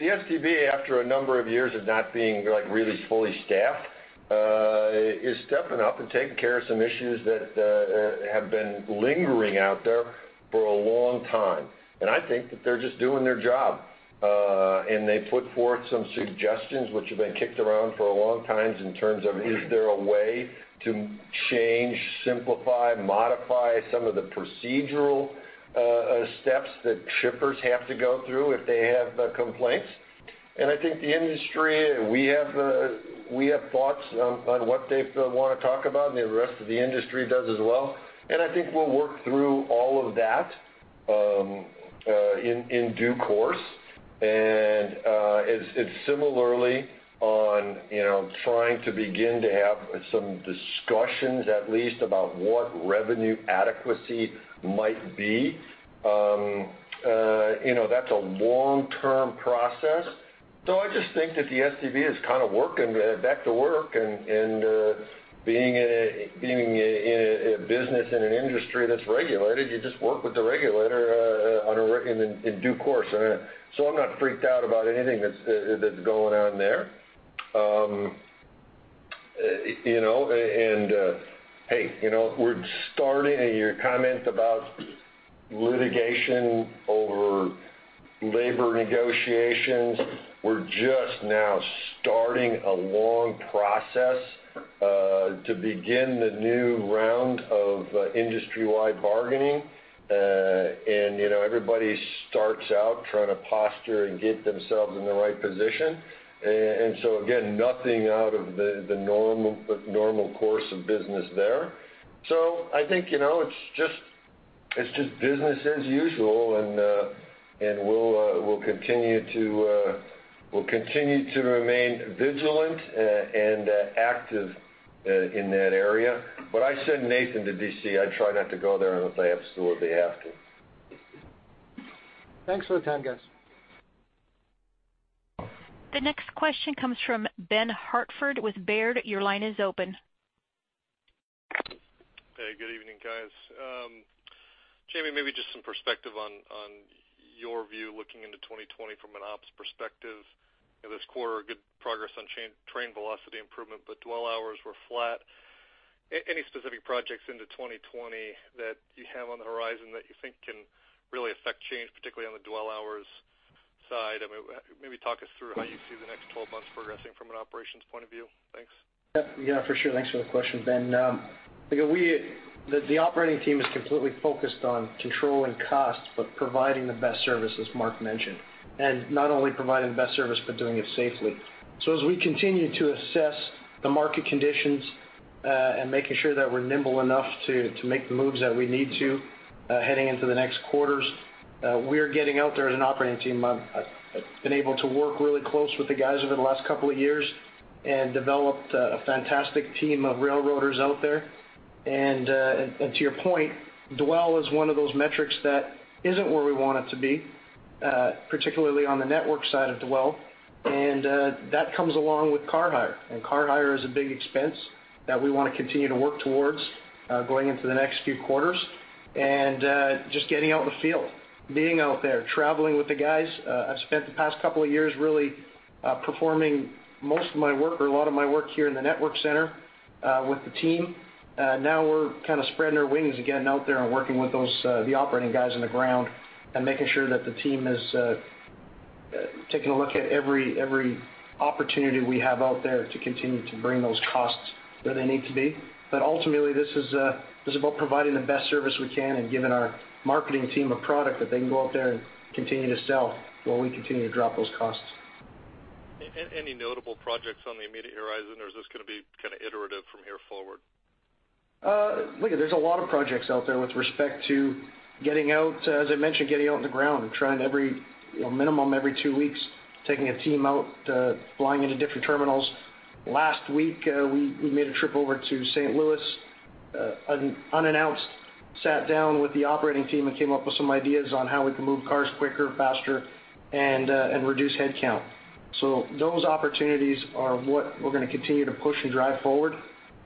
The STB, after a number of years of not being really fully staffed, is stepping up and taking care of some issues that have been lingering out there for a long time. I think that they're just doing their job. They put forth some suggestions which have been kicked around for a long time in terms of, is there a way to change, simplify, modify some of the procedural steps that shippers have to go through if they have complaints. I think the industry, we have thoughts on what they want to talk about, and the rest of the industry does as well, and I think we'll work through all of that in due course. It's similarly on trying to begin to have some discussions at least about what revenue adequacy might be. That's a long-term process. I just think that the STB is kind of back to work and being a Business in an industry that's regulated, you just work with the regulator in due course. I'm not freaked out about anything that's going on there. Hey, we're starting at your comment about litigation over labor negotiations. We're just now starting a long process to begin the new round of industry-wide bargaining. Everybody starts out trying to posture and get themselves in the right position. Again, nothing out of the normal course of business there. I think it's just business as usual, and we'll continue to remain vigilant and active in that area. I send Nathan to D.C. I try not to go there unless I absolutely have to. Thanks for the time, guys. The next question comes from Ben Hartford with Baird. Your line is open. Hey, good evening, guys. Jamie, maybe just some perspective on your view looking into 2020 from an ops perspective. This quarter, good progress on train velocity improvement, but dwell hours were flat. Any specific projects into 2020 that you have on the horizon that you think can really affect change, particularly on the dwell hours side? Maybe talk us through how you see the next 12 months progressing from an operations point of view. Thanks. Yeah, for sure. Thanks for the question, Ben. The operating team is completely focused on controlling costs, but providing the best service, as Mark mentioned, and not only providing the best service, but doing it safely. As we continue to assess the market conditions and making sure that we're nimble enough to make the moves that we need to heading into the next quarters, we're getting out there as an operating team. I've been able to work really close with the guys over the last couple of years and developed a fantastic team of railroaders out there. To your point, dwell is one of those metrics that isn't where we want it to be, particularly on the network side of dwell. That comes along with car hire. Car hire is a big expense that we want to continue to work towards going into the next few quarters and just getting out in the field, being out there, traveling with the guys. I've spent the past couple of years really performing most of my work or a lot of my work here in the network center with the team. Now we're kind of spreading our wings and getting out there and working with the operating guys on the ground and making sure that the team is taking a look at every opportunity we have out there to continue to bring those costs where they need to be. Ultimately, this is about providing the best service we can and giving our marketing team a product that they can go out there and continue to sell while we continue to drop those costs. Any notable projects on the immediate horizon, or is this going to be kind of iterative from here forward? Look, there's a lot of projects out there with respect to getting out, as I mentioned, getting out on the ground and trying every minimum every two weeks, taking a team out, flying into different terminals. Last week, we made a trip over to St. Louis unannounced, sat down with the operating team, and came up with some ideas on how we can move cars quicker, faster, and reduce headcount. Those opportunities are what we're going to continue to push and drive forward.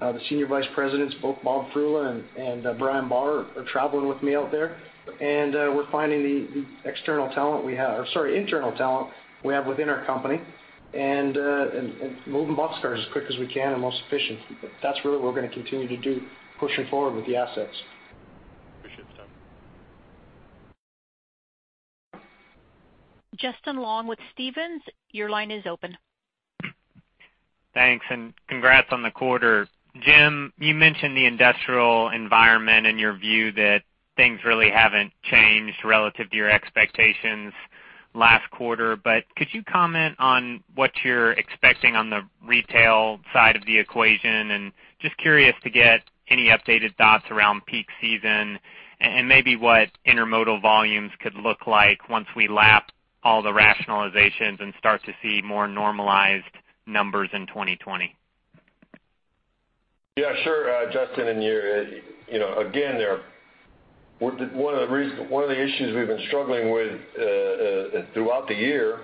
The Senior Vice Presidents, both Bob Froehlich and Brian Barr, are traveling with me out there, and we're finding the internal talent we have within our company, and moving boxcars as quick as we can and most efficient. That's really what we're going to continue to do, pushing forward with the assets. Appreciate the time. Justin Long with Stephens, your line is open. Thanks, and congrats on the quarter. Jim, you mentioned the industrial environment and your view that things really haven't changed relative to your expectations last quarter. Could you comment on what you're expecting on the retail side of the equation? Just curious to get any updated thoughts around peak season and maybe what intermodal volumes could look like once we lap all the rationalizations and start to see more normalized numbers in 2020. Yeah, sure. Justin, again, one of the issues we've been struggling with throughout the year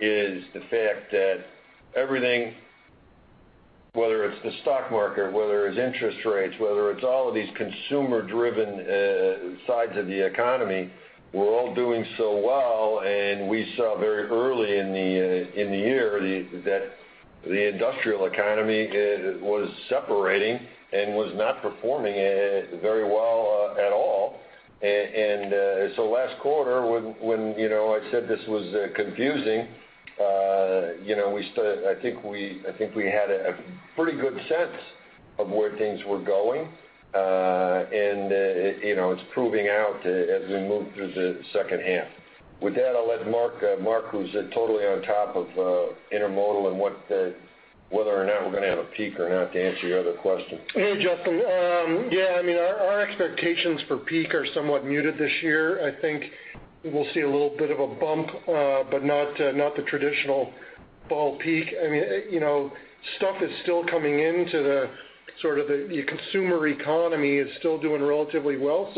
is the fact that everything, whether it's the stock market, whether it's interest rates, whether it's all of these consumer-driven sides of the economy, were all doing so well. We saw very early in the year that the industrial economy was separating and was not performing very well at all. Last quarter when I said this was confusing, I think we had a pretty good sense of where things were going, and it's proving out as we move through the second half. With that, I'll let Mark, who's totally on top of intermodal and whether or not we're going to have a peak or not, to answer your other question. Hey, Justin. Our expectations for peak are somewhat muted this year. I think we'll see a little bit of a bump, but not the traditional fall peak. Stuff is still coming in to the sort of the consumer economy is still doing relatively well.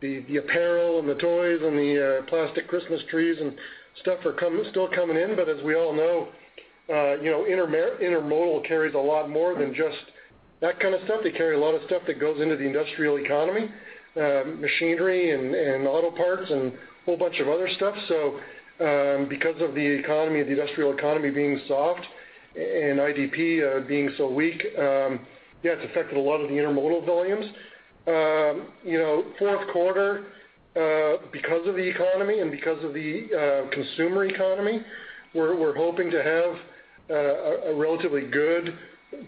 The apparel and the toys and the plastic Christmas trees and stuff are still coming in, but as we all know, Intermodal carries a lot more than just that kind of stuff. They carry a lot of stuff that goes into the industrial economy, machinery and auto parts, and a whole bunch of other stuff. Because of the industrial economy being soft and IP being so weak, it's affected a lot of the intermodal volumes. Fourth quarter, because of the economy and because of the consumer economy, we're hoping to have a relatively good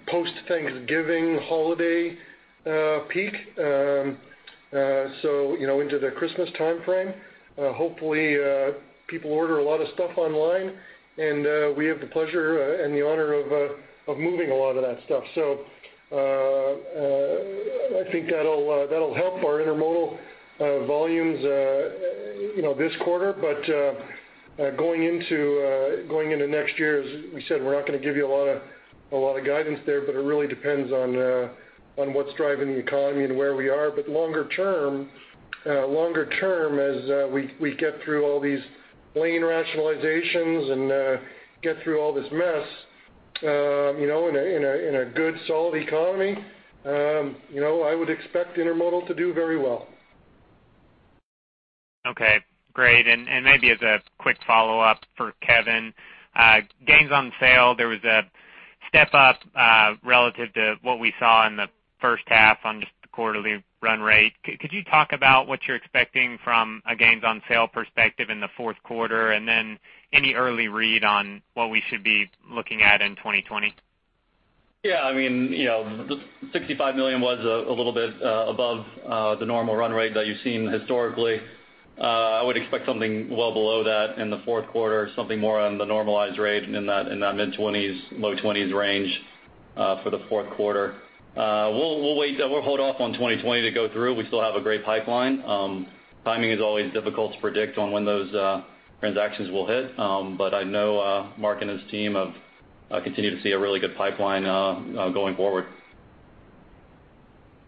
post-Thanksgiving holiday peak. Into the Christmas timeframe, hopefully people order a lot of stuff online, and we have the pleasure and the honor of moving a lot of that stuff. I think that'll help our intermodal volumes this quarter. Going into next year, as we said, we're not going to give you a lot of guidance there, but it really depends on what's driving the economy and where we are. Longer term, as we get through all these lane rationalizations and get through all this mess, in a good, solid economy, I would expect intermodal to do very well. Okay, great. Maybe as a quick follow-up for Kevin, gains on sale, there was a step up relative to what we saw in the first half on just the quarterly run rate. Could you talk about what you're expecting from a gains on sale perspective in the fourth quarter? Any early read on what we should be looking at in 2020? Yeah, the $65 million was a little bit above the normal run rate that you've seen historically. I would expect something well below that in the fourth quarter, something more on the normalized rate in that mid 20s, low 20s range for the fourth quarter. We'll hold off on 2020 to go through. We still have a great pipeline. Timing is always difficult to predict on when those transactions will hit. I know Mark and his team have continued to see a really good pipeline going forward.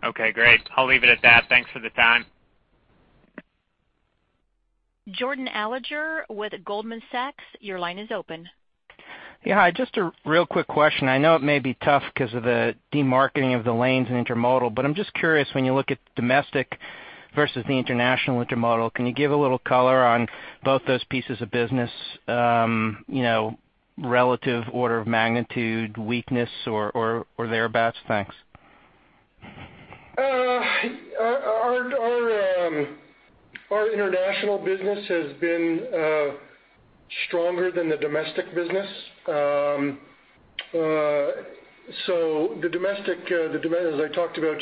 Okay, great. I'll leave it at that. Thanks for the time. Jordan Alliger with Goldman Sachs, your line is open. Yeah. Just a real quick question. I know it may be tough because of the demarketing of the lanes in intermodal, but I'm just curious when you look at domestic versus the international intermodal, can you give a little color on both those pieces of business, relative order of magnitude, weakness or thereabouts? Thanks. Our international business has been stronger than the domestic business. As I talked about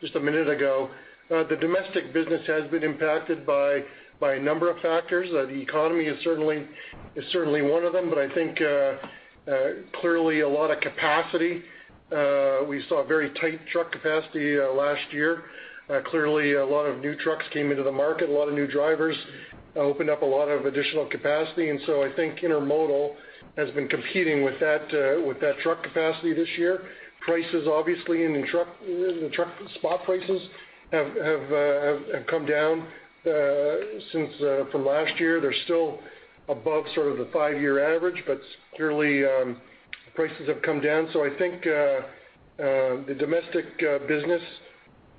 just a minute ago, the domestic business has been impacted by a number of factors. The economy is certainly one of them. I think clearly a lot of capacity. We saw very tight truck capacity last year. Clearly a lot of new trucks came into the market. A lot of new drivers opened up a lot of additional capacity. I think intermodal has been competing with that truck capacity this year. Prices, obviously, in the truck spot prices have come down from last year. They're still above sort of the five-year average, but clearly prices have come down. I think the domestic business,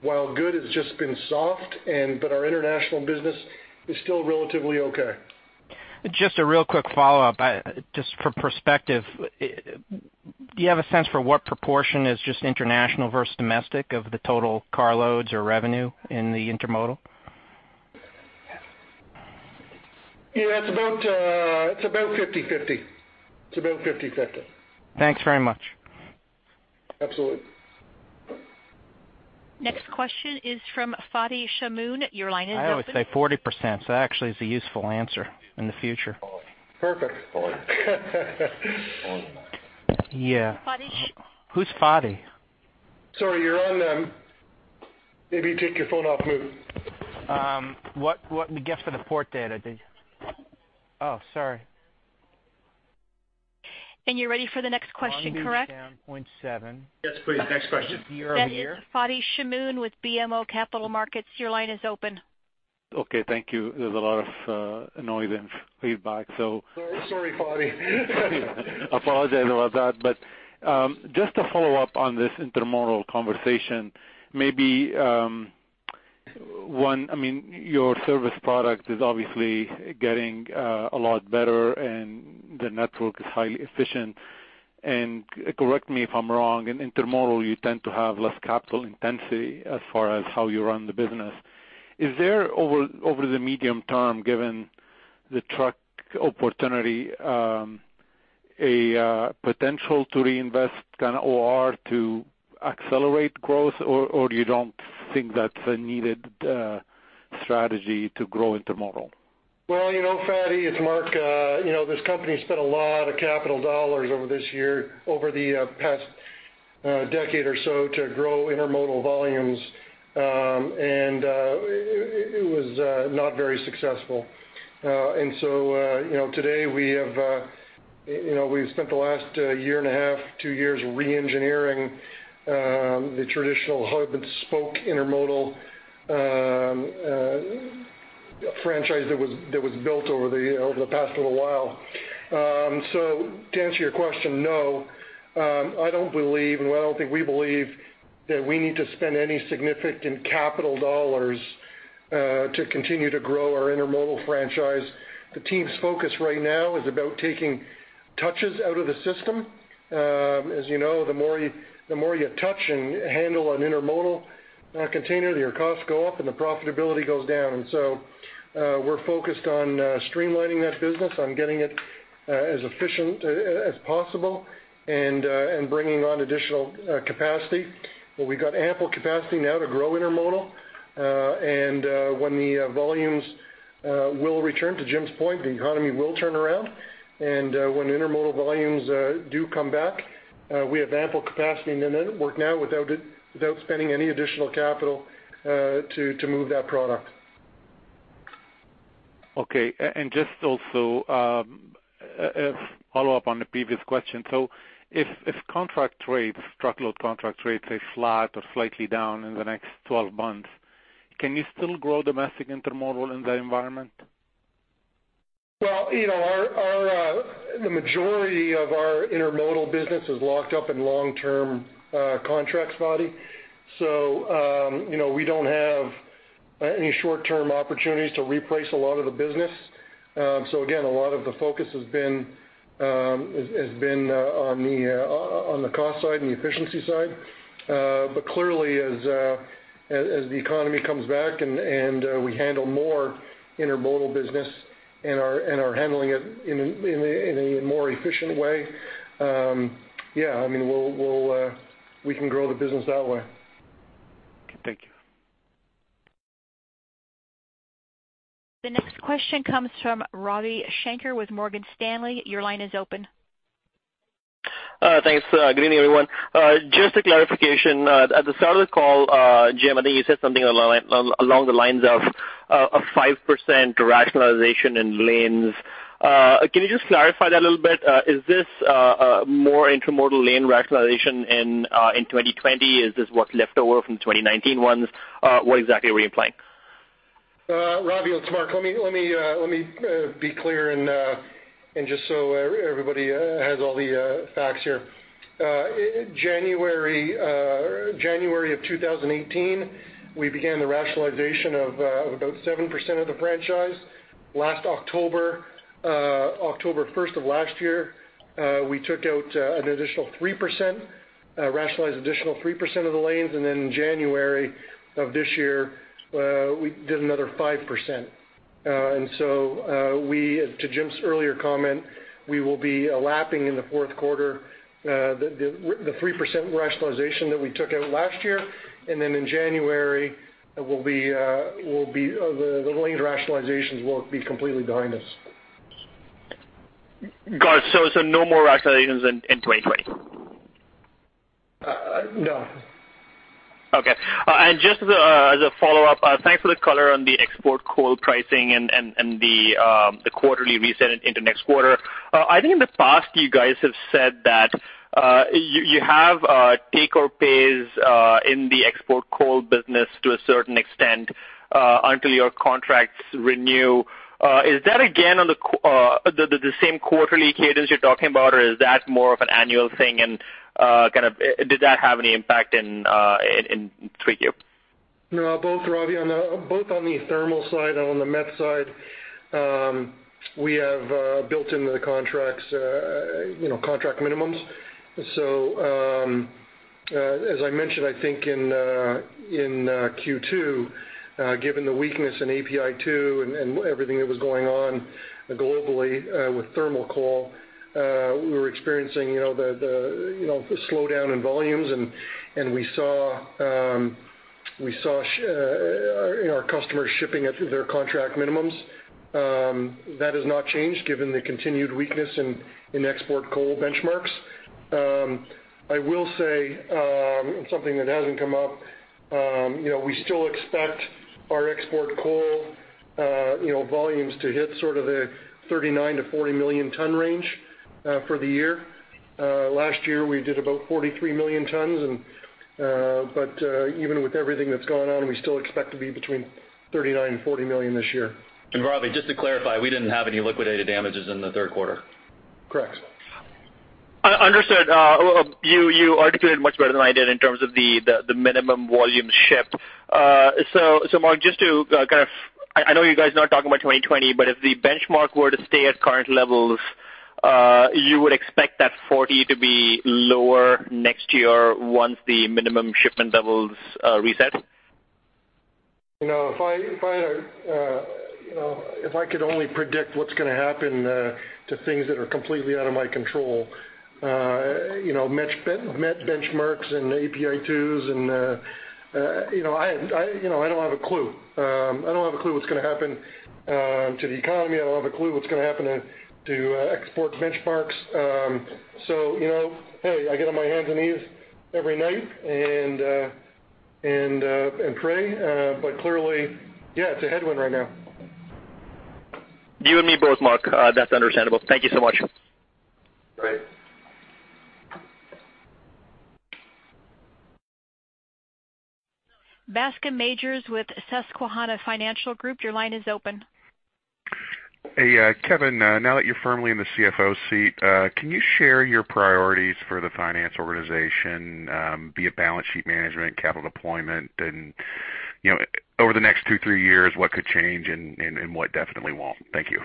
while good, has just been soft. Our international business is still relatively okay. Just a real quick follow-up, just for perspective, do you have a sense for what proportion is just international versus domestic of the total car loads or revenue in the intermodal? Yeah, it's about 50/50. Thanks very much. Absolutely. Next question is from Fadi Chamoun. Your line is open. I would say 40%, so actually it's a useful answer in the future. Perfect. Yeah. Fadi Chamoun. Who's Fadi? Sorry, you're on mute. Maybe take your phone off mute. What the guess for the port data did? Oh, sorry. You're ready for the next question, correct? Long Beach down 0.7. Yes, please. Next question. That is Fadi Chamoun with BMO Capital Markets. Your line is open. Okay, thank you. There was a lot of noise and feedback. Sorry, Fadi. Apologize about that. Just to follow up on this intermodal conversation, maybe one, your service product is obviously getting a lot better and the network is highly efficient. Correct me if I'm wrong, in intermodal you tend to have less capital intensity as far as how you run the business. Is there, over the medium term, given the truck opportunity, a potential to reinvest kind of OR to accelerate growth, or you don't think that's a needed strategy to grow intermodal? Fadi, it's Mark. This company spent a lot of capital dollars over this year, over the past decade or so to grow intermodal volumes. It was not very successful. Today we've spent the last year and a half, 2 years re-engineering the traditional hub and spoke intermodal franchise that was built over the past little while. To answer your question, no, I don't believe, and I don't think we believe that we need to spend any significant capital dollars to continue to grow our intermodal franchise. The team's focus right now is about taking touches out of the system. As you know, the more you touch and handle an intermodal container, your costs go up, and the profitability goes down. We're focused on streamlining that business, on getting it as efficient as possible, and bringing on additional capacity. We've got ample capacity now to grow intermodal. When the volumes will return, to Jim's point, the economy will turn around. When intermodal volumes do come back, we have ample capacity in the network now without spending any additional capital to move that product. Okay. Just also, a follow-up on the previous question. If truckload contract rates stay flat or slightly down in the next 12 months, can you still grow domestic intermodal in that environment? Well, the majority of our intermodal business is locked up in long-term contracts, Fadi. We don't have any short-term opportunities to replace a lot of the business. Again, a lot of the focus has been on the cost side and the efficiency side. Clearly as the economy comes back, and we handle more intermodal business and are handling it in a more efficient way, we can grow the business that way. Okay, thank you. The next question comes from Ravi Shanker with Morgan Stanley. Your line is open. Thanks. Good evening, everyone. Just a clarification. At the start of the call, Jim, I think you said something along the lines of a 5% rationalization in lanes. Can you just clarify that a little bit? Is this more intermodal lane rationalization in 2020? Is this what's left over from 2019 ones? What exactly were you implying? Ravi, it's Mark. Let me be clear and just so everybody has all the facts here. January of 2018, we began the rationalization of about 7% of the franchise. October 1st of last year, we took out an additional 3%, rationalized additional 3% of the lanes, and then in January of this year, we did another 5%. To Jim's earlier comment, we will be lapping in the fourth quarter the 3% rationalization that we took out last year. In January, the lane rationalizations will be completely behind us. Got it. No more rationalizations in 2020? No. Okay. Just as a follow-up, thanks for the color on the export coal pricing and the quarterly reset into next quarter. I think in the past you guys have said that you have take-or-pays in the export coal business to a certain extent, until your contracts renew. Is that again on the same quarterly cadence you're talking about, or is that more of an annual thing, and did that have any impact in 3Q? No, both, Ravi. Both on the thermal side and on the met side, we have built into the contracts contract minimums. As I mentioned, I think in Q2, given the weakness in API2 and everything that was going on globally with thermal coal, we were experiencing the slowdown in volumes, and we saw our customers shipping at their contract minimums. That has not changed given the continued weakness in export coal benchmarks. I will say, something that hasn't come up, we still expect our export coal volumes to hit sort of the 39 million to 40 million ton range for the year. Last year, we did about 43 million tons, even with everything that's gone on, we still expect to be between 39 million and 40 million this year. Ravi, just to clarify, we didn't have any liquidated damages in the third quarter. Correct. Understood. You articulated much better than I did in terms of the minimum volume shipped. Mark, I know you guys are not talking about 2020, but if the benchmark were to stay at current levels, you would expect that 40 to be lower next year once the minimum shipment levels reset? If I could only predict what's going to happen to things that are completely out of my control, met benchmarks and API2s, I don't have a clue. I don't have a clue what's going to happen to the economy. I don't have a clue what's going to happen to export benchmarks. Hey, I get on my hands and knees every night and pray. Clearly, yeah, it's a headwind right now. You and me both, Mark. That's understandable. Thank you so much. Bascome Majors with Susquehanna Financial Group, your line is open. Hey, Kevin, now that you're firmly in the CFO seat, can you share your priorities for the finance organization? Be it balance sheet management, capital deployment, and over the next two, three years, what could change and what definitely won't? Thank you.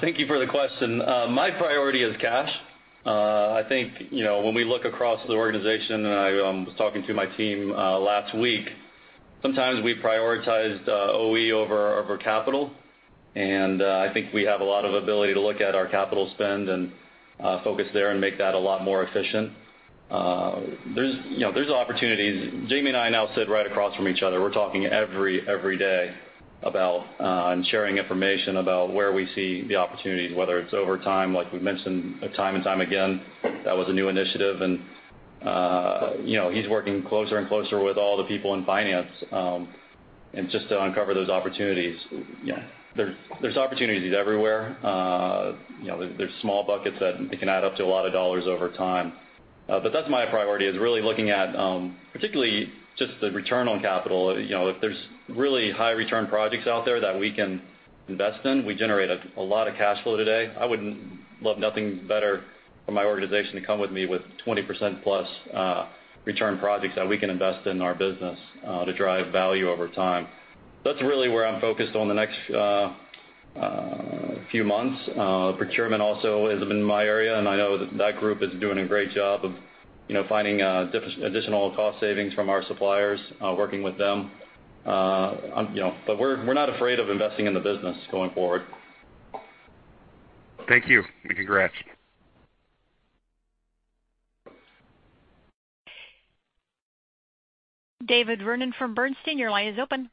Thank you for the question. My priority is cash. I think, when we look across the organization, and I was talking to my team last week, sometimes we prioritized OR over capital. I think we have a lot of ability to look at our capital spend and focus there and make that a lot more efficient. There's opportunities. Jamie and I now sit right across from each other. We're talking every day about sharing information about where we see the opportunities, whether it's over time, like we've mentioned time and time again, that was a new initiative. He's working closer and closer with all the people in finance, and just to uncover those opportunities. There's opportunities everywhere. There's small buckets that can add up to a lot of dollars over time. That's my priority, is really looking at particularly just the return on capital. If there's really high return projects out there that we can invest in, we generate a lot of cash flow today. I would love nothing better for my organization to come with me with 20%+ return projects that we can invest in our business to drive value over time. That's really where I'm focused on the next few months. Procurement also has been my area. I know that group is doing a great job of finding additional cost savings from our suppliers, working with them. We're not afraid of investing in the business going forward. Thank you. Congrats. David Vernon from Bernstein, your line is open.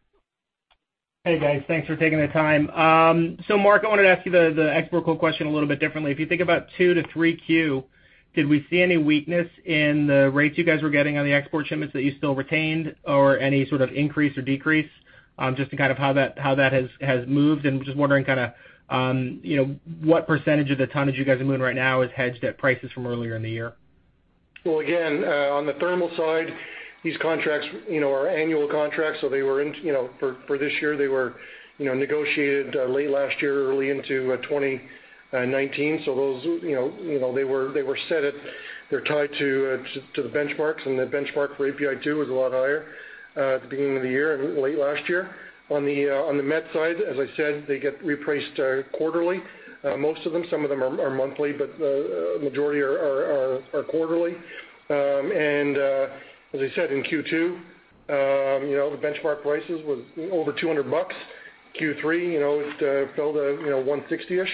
Hey, guys. Thanks for taking the time. Mark, I wanted to ask you the export coal question a little bit differently. If you think about 2Q-3Q, did we see any weakness in the rates you guys were getting on the export shipments that you still retained or any sort of increase or decrease? Just to kind of how that has moved and just wondering what percentage of the tonnage you guys are moving right now is hedged at prices from earlier in the year. Well, again, on the thermal side, these contracts are annual contracts. For this year, they were negotiated late last year, early into 2019. They were set, they're tied to the benchmarks, and the benchmark for API2 was a lot higher at the beginning of the year and late last year. On the met side, as I said, they get repriced quarterly. Most of them. Some of them are monthly, but the majority are quarterly. As I said, in Q2, the benchmark prices was over $200. Q3, it fell to 160-ish.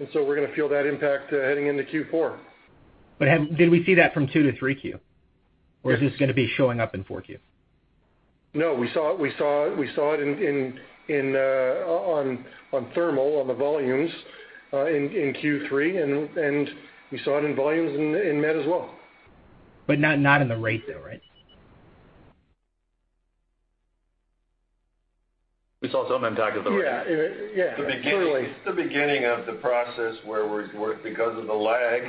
We're going to feel that impact heading into Q4. Did we see that from 2Q to 3Q? Is this going to be showing up in 4Q? No, we saw it on thermal on the volumes in Q3, and we saw it in volumes in met as well. Not in the rates, though, right? We saw some impact with the rates. Yeah. Clearly. It's the beginning of the process where because of the lag,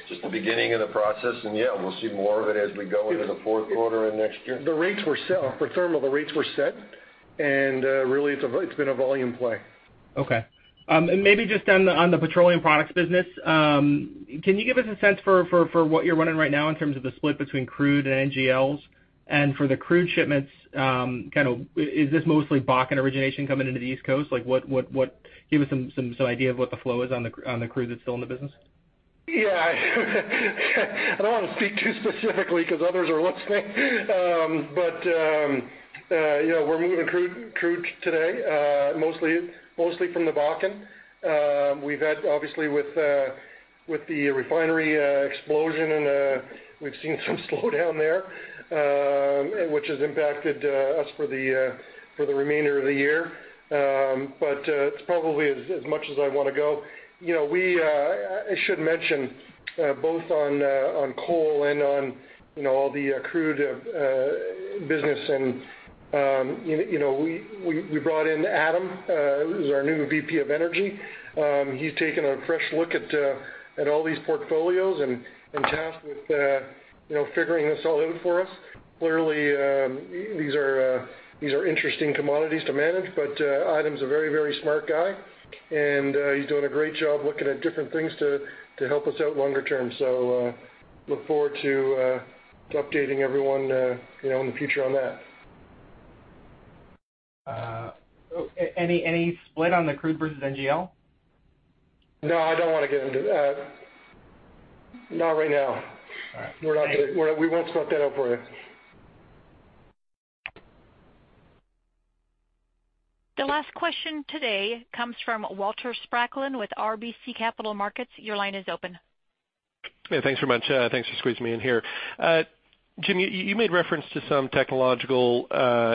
it's just the beginning of the process, yeah, we'll see more of it as we go into the fourth quarter and next year. For thermal, the rates were set, and really it's been a volume play. Okay. Maybe just on the petroleum products business, can you give us a sense for what you're running right now in terms of the split between crude and NGLs? For the crude shipments, is this mostly Bakken origination coming into the East Coast? Give us some idea of what the flow is on the crude that's still in the business. Yeah. I don't want to speak too specifically because others are listening. We're moving crude today mostly from the Bakken. We've had obviously with the refinery explosion and we've seen some slowdown there, which has impacted us for the remainder of the year. It's probably as much as I want to go. I should mention both on coal and on all the crude business and we brought in Adam, who's our new VP of energy. He's taken a fresh look at all these portfolios and tasked with figuring this all out for us. Clearly, these are interesting commodities to manage, but Adam's a very smart guy, and he's doing a great job looking at different things to help us out longer term. Look forward to updating everyone in the future on that. Any split on the crude versus NGL? No, I don't want to get into that. Not right now. All right. We won't swap that out for you. The last question today comes from Walter Spracklin with RBC Capital Markets. Your line is open. Thanks very much. Thanks for squeezing me in here. Jim, you made reference to some technological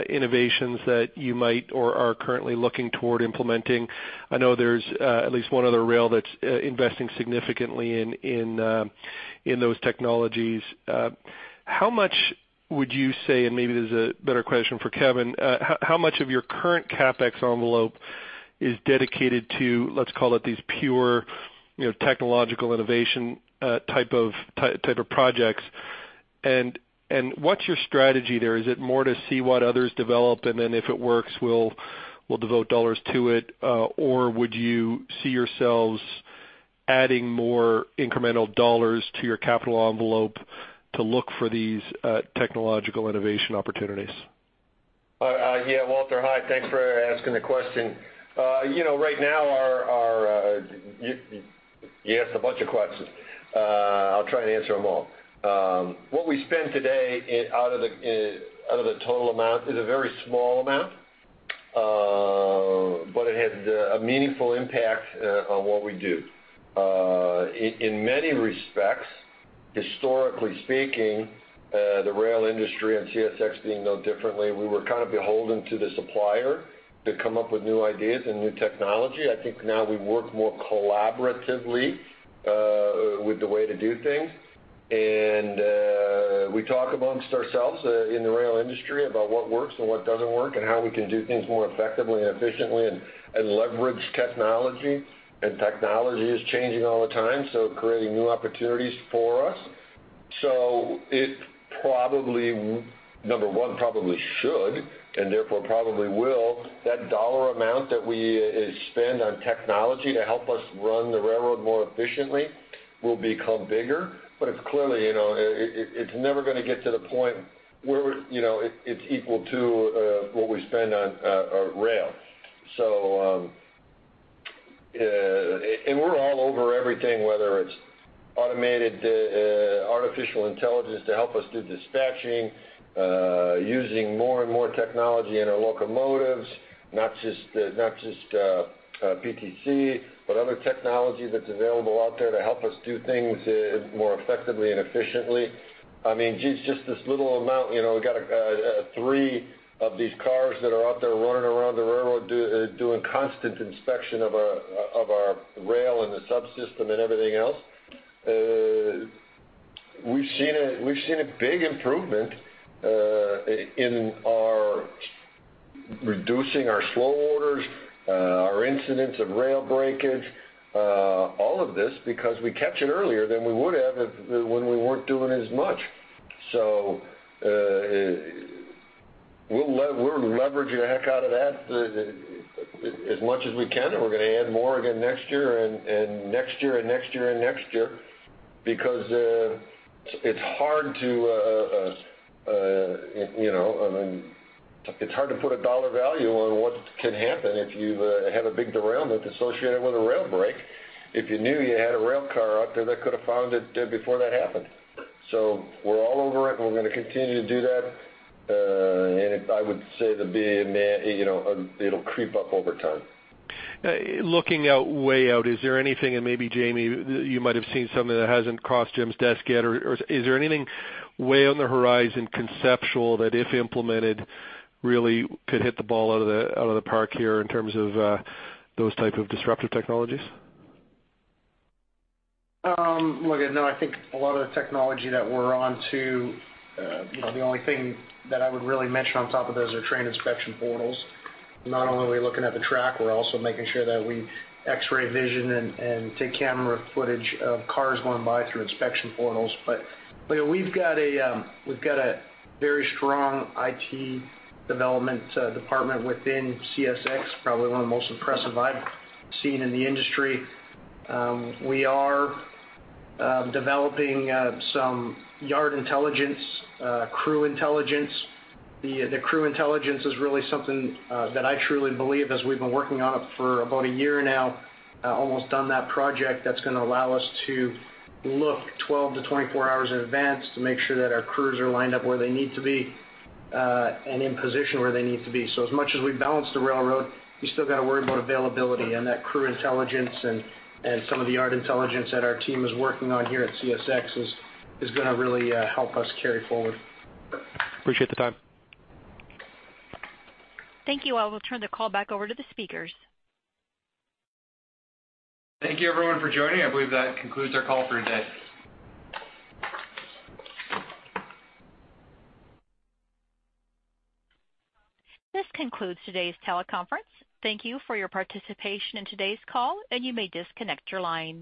innovations that you might or are currently looking toward implementing. I know there's at least one other rail that's investing significantly in those technologies. How much would you say, and maybe this is a better question for Kevin, how much of your current CapEx envelope is dedicated to, let's call it these pure technological innovation type of projects. What's your strategy there? Is it more to see what others develop and then if it works, we'll devote dollars to it? Would you see yourselves adding more incremental dollars to your capital envelope to look for these technological innovation opportunities? Walter, hi. Thanks for asking the question. You asked a bunch of questions. I'll try and answer them all. What we spend today out of the total amount is a very small amount, but it has a meaningful impact on what we do. In many respects, historically speaking, the rail industry and CSX being no differently, we were kind of beholden to the supplier to come up with new ideas and new technology. I think now we work more collaboratively with the way to do things, and we talk amongst ourselves in the rail industry about what works and what doesn't work, and how we can do things more effectively and efficiently and leverage technology. Technology is changing all the time, so creating new opportunities for us. It, number one, probably should, and therefore probably will, that dollar amount that we spend on technology to help us run the railroad more efficiently will become bigger. Clearly, it's never going to get to the point where it's equal to what we spend on rail. We're all over everything, whether it's automated artificial intelligence to help us do dispatching, using more and more technology in our locomotives, not just PTC, but other technology that's available out there to help us do things more effectively and efficiently. Just this little amount, we got three of these cars that are out there running around the railroad doing constant inspection of our rail and the subsystem and everything else. We've seen a big improvement in reducing our slow orders, our incidents of rail breakage, all of this because we catch it earlier than we would have when we weren't doing as much. We'll leverage the heck out of that as much as we can, and we're going to add more again next year and next year and next year and next year, because it's hard to put a dollar value on what can happen if you have a big derailment associated with a rail break if you knew you had a rail car out there that could have found it before that happened. We're all over it and we're going to continue to do that. I would say it'll creep up over time. Looking out, way out, is there anything, and maybe Jamie, you might have seen something that hasn't crossed Jim's desk yet, or is there anything way on the horizon, conceptual, that if implemented, really could hit the ball out of the park here in terms of those type of disruptive technologies? I think a lot of the technology that we're onto, the only thing that I would really mention on top of those are train inspection portals. Not only are we looking at the track, we're also making sure that we X-ray vision and take camera footage of cars going by through inspection portals. We've got a very strong IT development department within CSX, probably one of the most impressive I've seen in the industry. We are developing some yard intelligence, crew intelligence. The crew intelligence is really something that I truly believe, as we've been working on it for about a year now, almost done that project, that's going to allow us to look 12 to 24 hours in advance to make sure that our crews are lined up where they need to be and in position where they need to be. As much as we balance the railroad, we still got to worry about availability and that crew intelligence and some of the yard intelligence that our team is working on here at CSX is going to really help us carry forward. Appreciate the time. Thank you. I will turn the call back over to the speakers. Thank you everyone for joining. I believe that concludes our call for today. This concludes today's teleconference. Thank you for your participation in today's call, and you may disconnect your line.